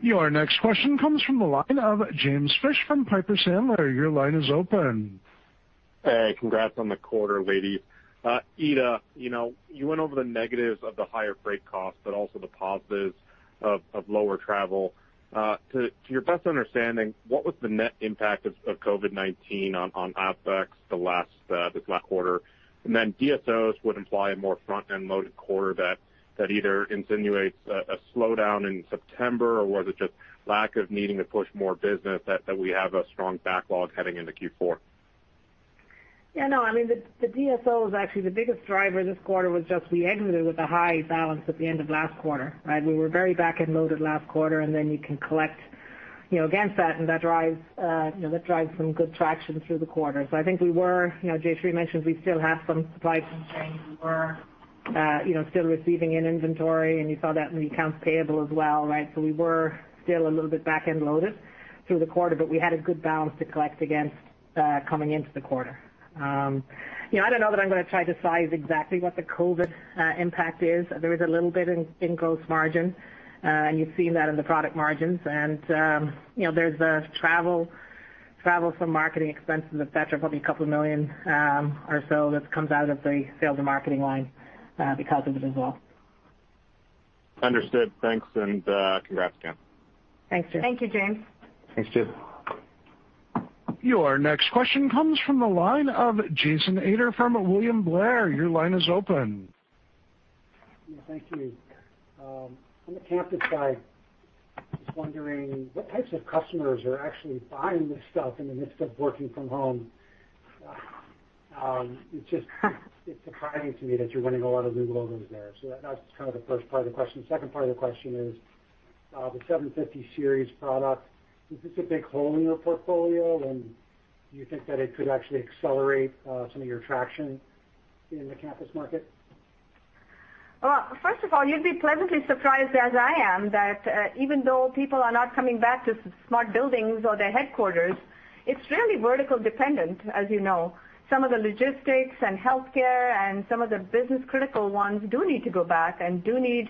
Your next question comes from the line of James Fish from Piper Sandler. Your line is open. Hey, congrats on the quarter, ladies. Ita, you went over the negatives of the higher freight cost, also the positives of lower travel. To your best understanding, what was the net impact of COVID-19 on OpEx this last quarter? DSOs would imply a more front-end loaded quarter that either insinuates a slowdown in September, or was it just lack of needing to push more business that we have a strong backlog heading into Q4? The DSO was actually the biggest driver this quarter was just we exited with a high balance at the end of last quarter, right? We were very back-end loaded last quarter, and then you can collect against that, and that drives some good traction through the quarter. Jayshree mentioned we still have some supply chain issues. We're still receiving in inventory, and you saw that in the accounts payable as well, right? We were still a little bit back-end loaded through the quarter, but we had a good balance to collect against coming into the quarter. I don't know that I'm going to try to size exactly what the COVID impact is. There is a little bit in gross margin, and you've seen that in the product margins. There's the travel for marketing expenses, et cetera, probably $2 million or so that comes out of the sales and marketing line because of it as well. Understood. Thanks, and congrats again. Thanks, James. Thank you, James. Thanks, James. Your next question comes from the line of Jason Ader from William Blair. Your line is open. Thank you. On the campus side, just wondering what types of customers are actually buying this stuff in the midst of working from home? It's just surprising to me that you're winning a lot of new logos there. That's the first part of the question. Second part of the question is the 750 Series product, is this a big hole in your portfolio, and do you think that it could actually accelerate some of your traction in the campus market? Well, first of all, you'd be pleasantly surprised as I am that even though people are not coming back to smart buildings or their headquarters, it's really vertical dependent, as you know. Some of the logistics and healthcare and some of the business critical ones do need to go back and do need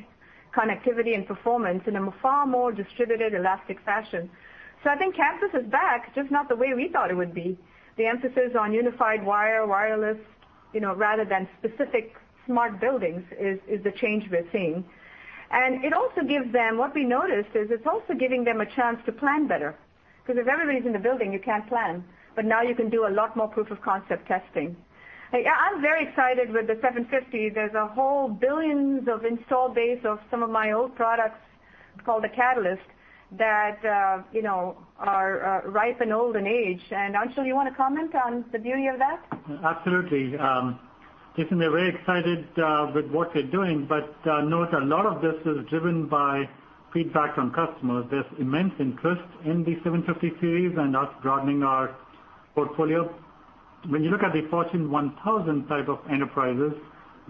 connectivity and performance in a far more distributed, elastic fashion. I think campus is back, just not the way we thought it would be. The emphasis on unified wire, wireless, rather than specific smart buildings is the change we're seeing. What we noticed is it's also giving them a chance to plan better. If everybody's in the building, you can't plan. Now you can do a lot more proof of concept testing. I'm very excited with the 750. There's a whole billions of install base of some of my old products called the Catalyst that are ripe and old in age. Anshul, you want to comment on the beauty of that? Absolutely. Jason, we're very excited with what we're doing, note a lot of this is driven by feedback from customers. There's immense interest in the 750 Series and us broadening our portfolio. When you look at the Fortune 1000 type of enterprises,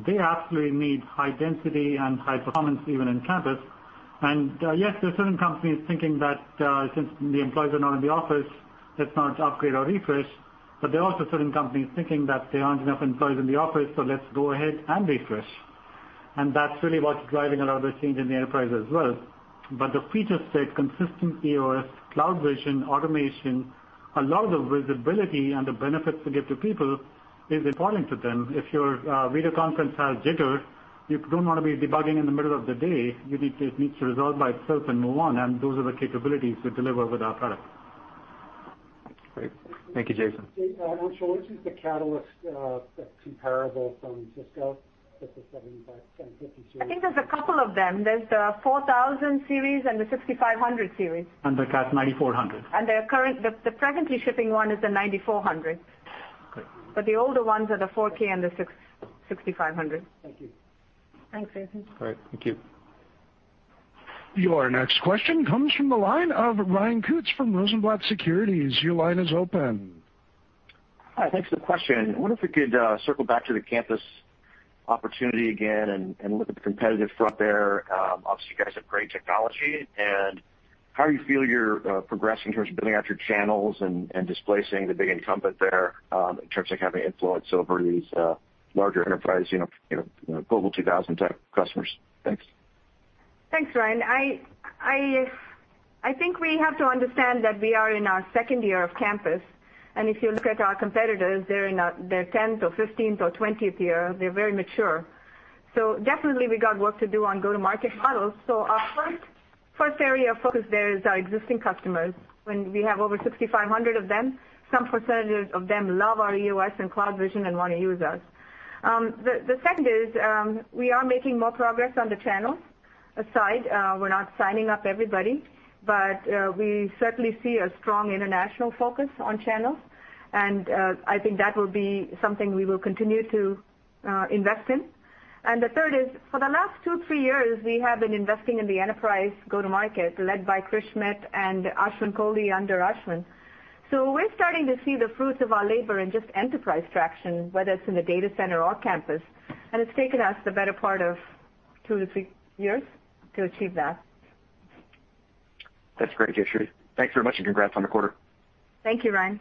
they absolutely need high density and high performance even in campus. Yes, there are certain companies thinking that since the employees are not in the office, let's not upgrade or refresh. There are also certain companies thinking that there aren't enough employees in the office, let's go ahead and refresh. That's really what's driving a lot of the change in the enterprise as well. The feature set, consistent EOS, CloudVision, automation, a lot of the visibility and the benefits we give to people is important to them. If your video conference has jitter, you don't want to be debugging in the middle of the day. It needs to resolve by itself and move on. Those are the capabilities we deliver with our product. Great. Thank you, Jason. Anshul, which is the Catalyst comparable from Cisco with the 750 Series? I think there's a couple of them. There's the 4000 series and the 6500 series. The Cat 9400. The presently shipping one is the 9400. Great. The older ones are the 4K and the 6500. Thank you. Thanks, Jason. All right, thank you. Your next question comes from the line of Ryan Koontz from Rosenblatt Securities. Your line is open. Hi, thanks for the question. I wonder if we could circle back to the campus opportunity again and look at the competitive front there. Obviously, you guys have great technology. How do you feel you're progressing in terms of building out your channels and displacing the big incumbent there in terms of having influence over these larger enterprise Global 2000 type customers? Thanks. Thanks, Ryan. I think we have to understand that we are in our second year of campus, and if you look at our competitors, they're in their 10th or 15th or 20th year. They're very mature. Definitely, we got work to do on go-to-market models. Our first area of focus there is our existing customers, when we have over 6,500 of them. Some percentage of them love our EOS and CloudVision and want to use us. The second is, we are making more progress on the channel side. We're not signing up everybody, but we certainly see a strong international focus on channels, and I think that will be something we will continue to invest in. The third is, for the last two, three years, we have been investing in the enterprise go-to-market led by Chris Schmidt and Ashwin Kohli under Ashwin. We're starting to see the fruits of our labor in just enterprise traction, whether it's in the data center or campus, and it's taken us the better part of two to three years to achieve that. That's great to hear, Jayshree. Thanks very much, and congrats on the quarter. Thank you, Ryan.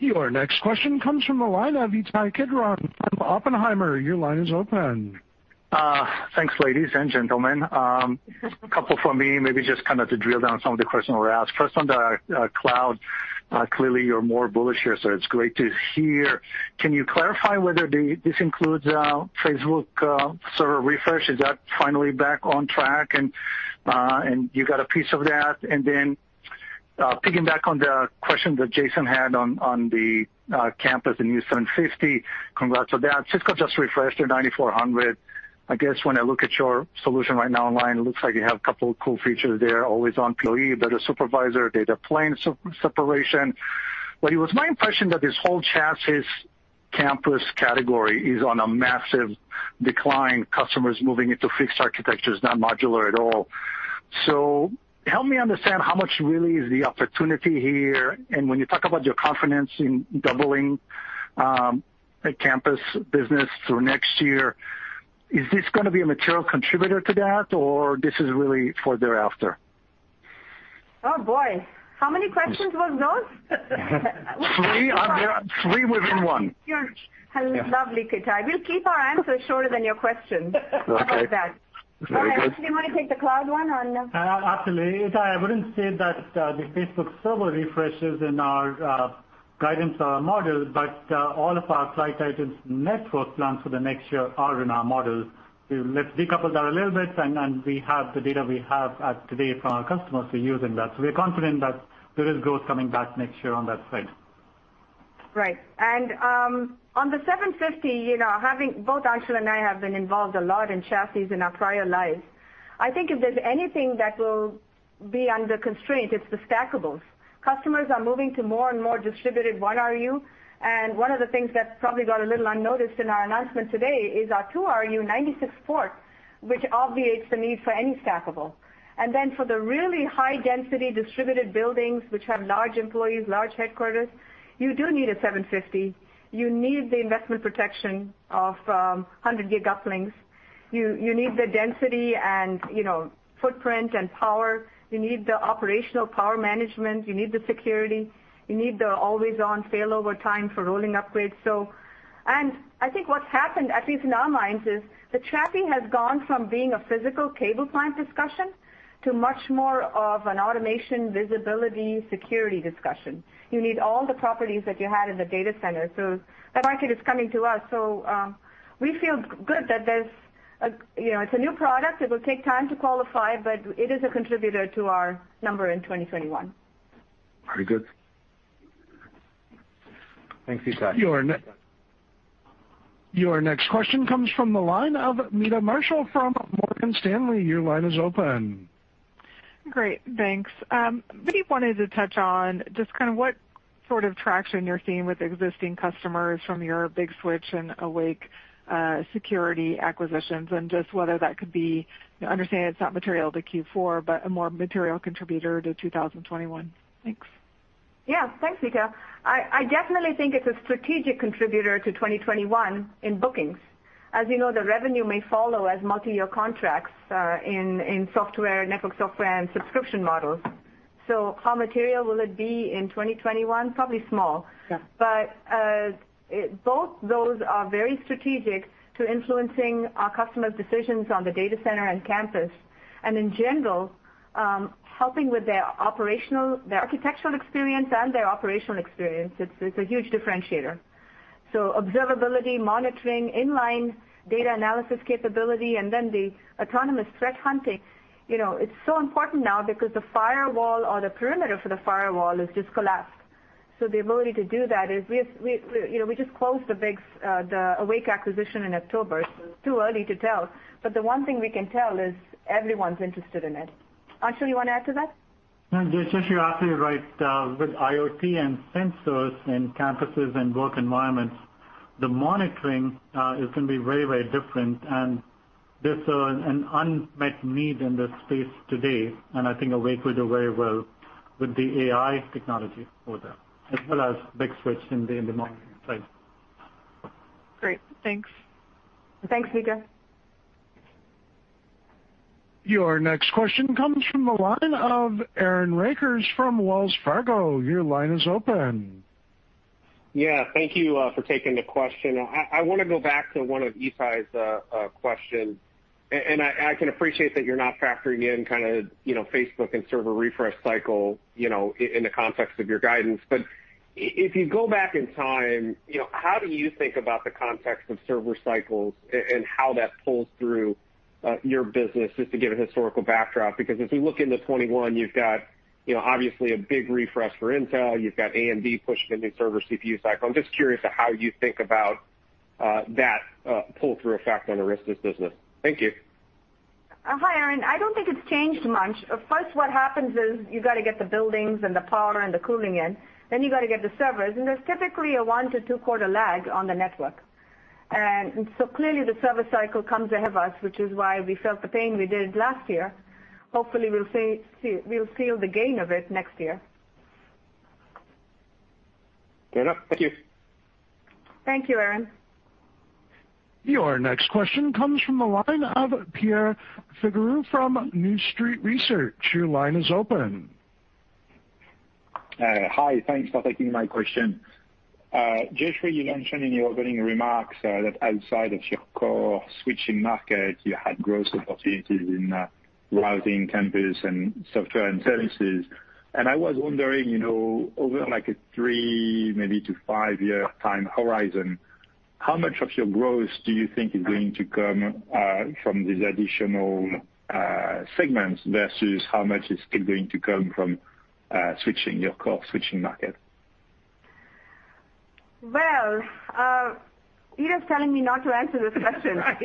Your next question comes from the line of Ittai Kidron from Oppenheimer. Thanks, ladies and gentlemen. A couple from me, maybe just to drill down some of the questions that were asked. First, on the cloud. Clearly, you're more bullish here, so it's great to hear. Can you clarify whether this includes Facebook server refresh? Is that finally back on track and you got a piece of that? Piggybacking on the question that Jason had on the campus and new 750, congrats on that. Cisco just refreshed their 9400. I guess when I look at your solution right now online, it looks like you have a couple of cool features there, always-on PoE, better supervisor, data plane separation. It was my impression that this whole chassis campus category is on a massive decline, customers moving into fixed architectures, not modular at all. Help me understand how much really is the opportunity here, and when you talk about your confidence in doubling the campus business through next year, is this going to be a material contributor to that, or this is really for thereafter? Oh, boy. How many questions was those? Three. Three within one. You're lovely, Ittai. We'll keep our answers shorter than your questions. Okay. How about that? Very good. Anshul, do you want to take the cloud one? Absolutely. Ittai, I wouldn't say that the Facebook server refresh is in our guidance model, all of our cloud titans network plans for the next year are in our model. Let's decouple that a little bit, we have the data we have today from our customers for using that. We are confident that there is growth coming back next year on that front. Right. On the 750, both Anshul and I have been involved a lot in chassis in our prior lives. I think if there's anything that will be under constraint, it's the stackables. Customers are moving to more and more distributed 1RU, and one of the things that probably got a little unnoticed in our announcement today is our 2RU 96 port, which obviates the need for any stackable. For the really high-density distributed buildings, which have large employees, large headquarters, you do need a 750. You need the investment protection of 100G uplinks. You need the density and footprint and power. You need the operational power management. You need the security. You need the always-on failover time for rolling upgrades. I think what's happened, at least in our minds, is the chassis has gone from being a physical cable plant discussion to much more of an automation, visibility, security discussion. You need all the properties that you had in the data center. That market is coming to us, so we feel good that it's a new product. It will take time to qualify, but it is a contributor to our number in 2021. Very good. Thanks, Ittai. Your next question comes from the line of Meta Marshall from Morgan Stanley. Your line is open. Great, thanks. Maybe wanted to touch on just what sort of traction you're seeing with existing customers from your Big Switch and Awake Security acquisitions, and just whether that could be, I understand it's not material to Q4, but a more material contributor to 2021. Thanks. Yeah. Thanks, Meta. I definitely think it's a strategic contributor to 2021 in bookings. As you know, the revenue may follow as multi-year contracts in network software and subscription models. How material will it be in 2021? Probably small. Yeah. Both those are very strategic to influencing our customers' decisions on the data center and campus, and in general, helping with their architectural experience and their operational experience. It's a huge differentiator. Observability, monitoring, inline data analysis capability, and then the autonomous threat hunting. It's so important now because the firewall or the perimeter for the firewall is just collapsed. The ability to do that is we just closed the Awake acquisition in October, so it's too early to tell, but the one thing we can tell is everyone's interested in it. Anshul, you want to add to that? No, just as you asked me, right, with IoT and sensors in campuses and work environments, the monitoring is going to be very different, and there's an unmet need in this space today, and I think Awake will do very well with the AI technology for that, as well as Big Switch in the monitoring side. Great. Thanks. Thanks, Meta. Your next question comes from the line of Aaron Rakers from Wells Fargo. Your line is open. Yeah. Thank you for taking the question. I want to go back to one of Ittai's questions. I can appreciate that you're not factoring in Facebook and server refresh cycle in the context of your guidance. If you go back in time, how do you think about the context of server cycles and how that pulls through your business, just to give a historical backdrop? Because as we look into 2021, you've got obviously a big refresh for Intel. You've got AMD pushing a new server CPU cycle. I'm just curious to how you think about that pull-through effect on Arista's business. Thank you. Hi, Aaron. I don't think it's changed much. First, what happens is you got to get the buildings and the power and the cooling in, then you got to get the servers, and there's typically a one to two-quarter lag on the network. Clearly the service cycle comes ahead of us, which is why we felt the pain we did last year. Hopefully, we'll feel the gain of it next year. Fair enough. Thank you. Thank you, Aaron. Your next question comes from the line of Pierre Ferragu from New Street Research. Your line is open. Hi. Thanks for taking my question. Jayshree, you mentioned in your opening remarks that outside of your core switching market, you had growth opportunities in routing campus and software and services. I was wondering, over a three maybe to five-year time horizon, how much of your growth do you think is going to come from these additional segments versus how much is still going to come from your core switching market? Well, Ita's telling me not to answer this question. I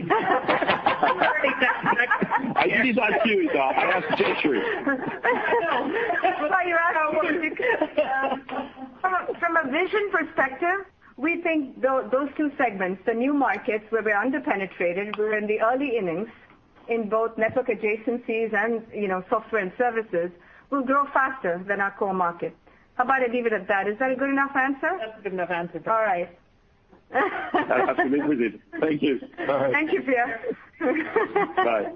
usually ask you, so I don't ask Jayshree. We thought you had our number. From a vision perspective, we think those two segments, the new markets where we're under-penetrated, we're in the early innings in both network adjacencies and software and services, will grow faster than our core market. How about I leave it at that? Is that a good enough answer? That's a good enough answer. All right. I'm happy with it. Thank you. Thank you, Pierre. Bye.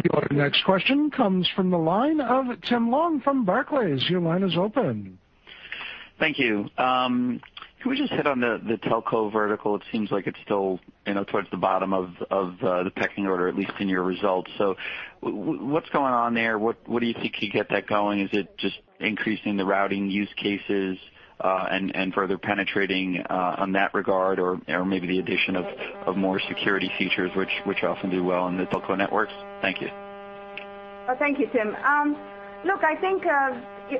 Your next question comes from the line of Tim Long from Barclays. Your line is open. Thank you. Can we just hit on the telco vertical? It seems like it's still towards the bottom of the pecking order, at least in your results. What's going on there? What do you think could get that going? Is it just increasing the routing use cases, and further penetrating on that regard? Or maybe the addition of more security features, which often do well in the telco networks. Thank you. Thank you, Tim. I think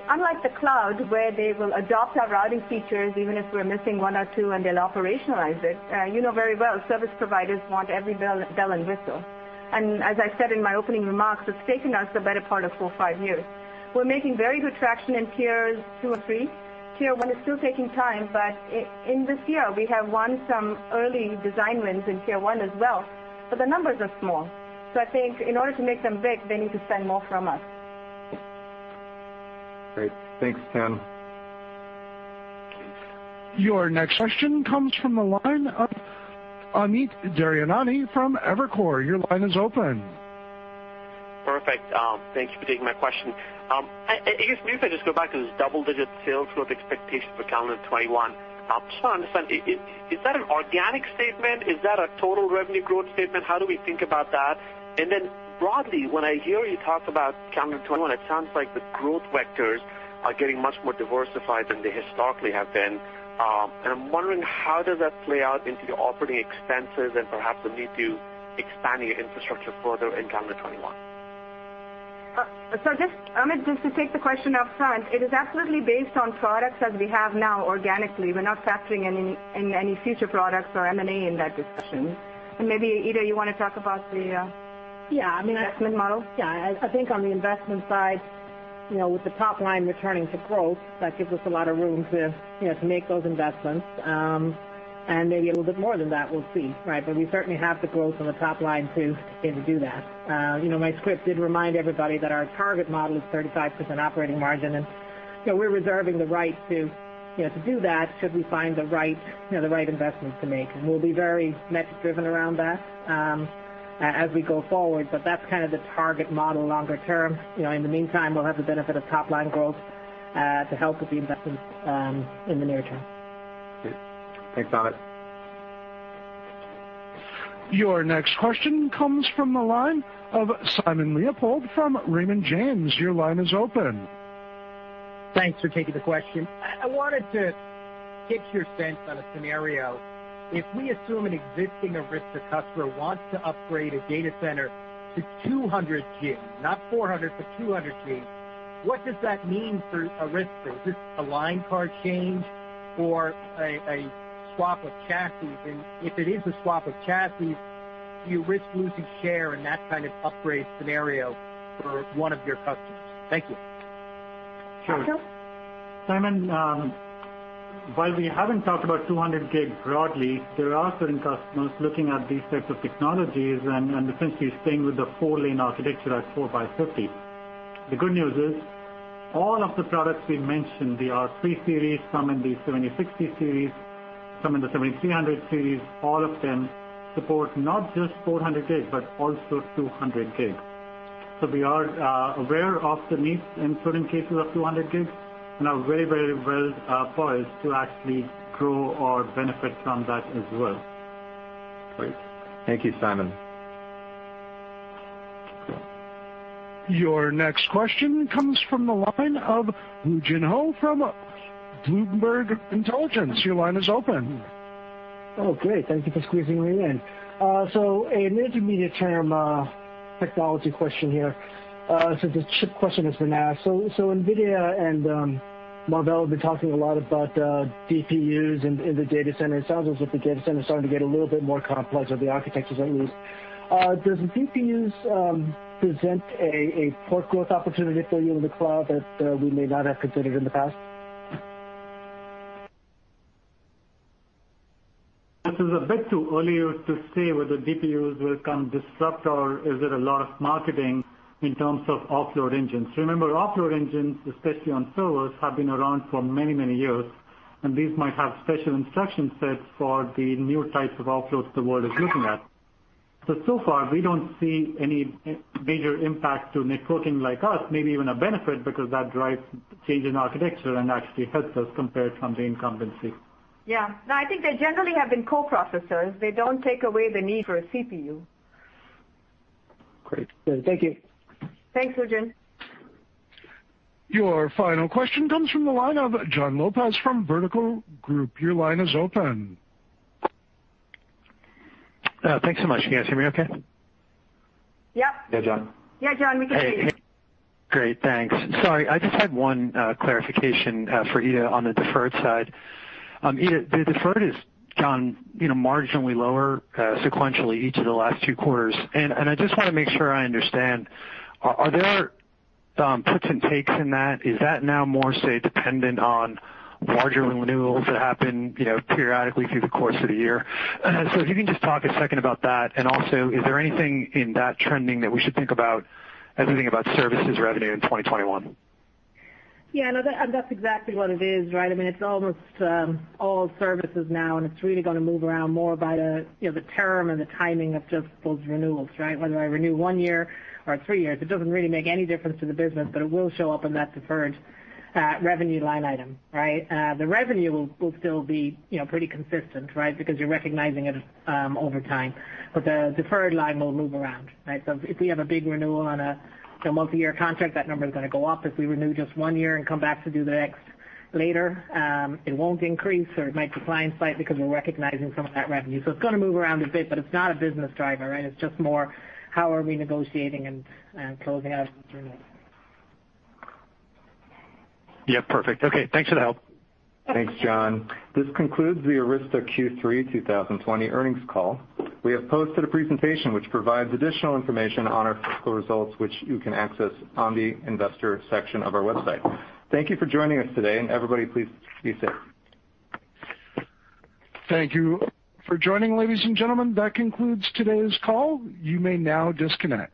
unlike the cloud, where they will adopt our routing features, even if we're missing one or two and they'll operationalize it, you know very well, service providers want every bell and whistle. As I said in my opening remarks, it's taken us the better part of four, five years. We're making very good traction in tiers 2 and 3. Tier 1 is still taking time, but in this year, we have won some early design wins in tier 1 as well, but the numbers are small. I think in order to make them big, they need to spend more from us. Great. Thanks, Tim. Your next question comes from the line of Amit Daryanani from Evercore. Your line is open. Perfect. Thank you for taking my question. I guess maybe if I just go back to this double-digit sales growth expectation for calendar 2021. I just want to understand, is that an organic statement? Is that a total revenue growth statement? How do we think about that? Then broadly, when I hear you talk about calendar 2021, it sounds like the growth vectors are getting much more diversified than they historically have been. I'm wondering how does that play out into your operating expenses and perhaps the need to expand your infrastructure further in calendar 2021? Just, Amit, to take the question upfront, it is absolutely based on products as we have now organically. We're not factoring in any future products or M&A in that discussion. Maybe, Ita, you want to talk about the- Yeah, I mean. Investment model? Yeah. I think on the investment side, with the top line returning to growth, that gives us a lot of room to make those investments, and maybe a little bit more than that, we'll see, right? We certainly have the growth on the top line to do that. My script did remind everybody that our target model is 35% operating margin, and so we're reserving the right to do that should we find the right investments to make. We'll be very metric-driven around that as we go forward, but that's kind of the target model longer term. In the meantime, we'll have the benefit of top-line growth to help with the investments in the near term. Great. Thanks, guys.. Your next question comes from the line of Simon Leopold from Raymond James. Your line is open. Thanks for taking the question. I wanted to get your sense on a scenario. If we assume an existing Arista customer wants to upgrade a data center to 200 gig, not 400 gig, but 200 gig, what does that mean for Arista? Is this a line card change or a swap of chassis? If it is a swap of chassis, do you risk losing share in that kind of upgrade scenario for one of your customers? Thank you. Anshul? Simon, while we haven't talked about 200 gig broadly, there are certain customers looking at these types of technologies and essentially staying with the four-lane architecture at 4 by 50. The good news is all of the products we mentioned, the R3-Series, some in the 7060 Series, some in the 7300 Series, all of them support not just 400 gig, but also 200 gig. We are aware of the needs in certain cases of 200 gig, and are very well poised to actually grow our benefit from that as well. Great. Thank you, Simon. Your next question comes from the line of Woo Jin Ho from Bloomberg Intelligence. Your line is open. Oh, great. Thank you for squeezing me in. An intermediate-term technology question here, since the chip question has been asked. NVIDIA and Marvell have been talking a lot about DPUs in the data center. It sounds as if the data center is starting to get a little bit more complex or the architectures at least. Does DPUs present a port growth opportunity for you in the cloud that we may not have considered in the past? This is a bit too early to say whether DPUs will come disrupt or is it a lot of marketing in terms of offload engines. Remember, offload engines, especially on servers, have been around for many years, and these might have special instruction sets for the new types of offloads the world is looking at. So far, we don't see any major impact to networking like us, maybe even a benefit because that drives change in architecture and actually helps us compared from the incumbency. No, I think they generally have been co-processors. They don't take away the need for a CPU. Great. Thank you. Thanks, Woo Jin. Your final question comes from the line of Jon Lopez from Vertical Group. Your line is open. Thanks so much. Can you guys hear me okay? Yep. Yeah, Jon. Yeah, Jon, we can hear you. Hey. Great, thanks. Sorry, I just had one clarification for Ita on the deferred side. Ita, the deferred has gone marginally lower sequentially each of the last two quarters. I just want to make sure I understand. Are there puts and takes in that? Is that now more, say, dependent on larger renewals that happen periodically through the course of the year? If you can just talk a second about that, and also, is there anything in that trending that we should think about as we think about services revenue in 2021? No, that's exactly what it is, right? It's almost all services now. It's really going to move around more by the term and the timing of just those renewals, right? Whether I renew one year or three years, it doesn't really make any difference to the business. It will show up in that deferred revenue line item, right? The revenue will still be pretty consistent, right? Because you're recognizing it over time. The deferred line will move around, right? If we have a big renewal on a multi-year contract, that number's going to go up. If we renew just one year and come back to do the next later, it won't increase or it might decline slightly because we're recognizing some of that revenue. It's going to move around a bit, but it's not a business driver, right? It's just more how are we negotiating and closing out renewals. Yeah, perfect. Okay, thanks for the help. Thanks, Jon. This concludes the Arista Q3 2020 earnings call. We have posted a presentation which provides additional information on our fiscal results, which you can access on the Investor section of our website. Thank you for joining us today, and everybody please be safe. Thank you for joining, ladies and gentlemen. That concludes today's call. You may now disconnect.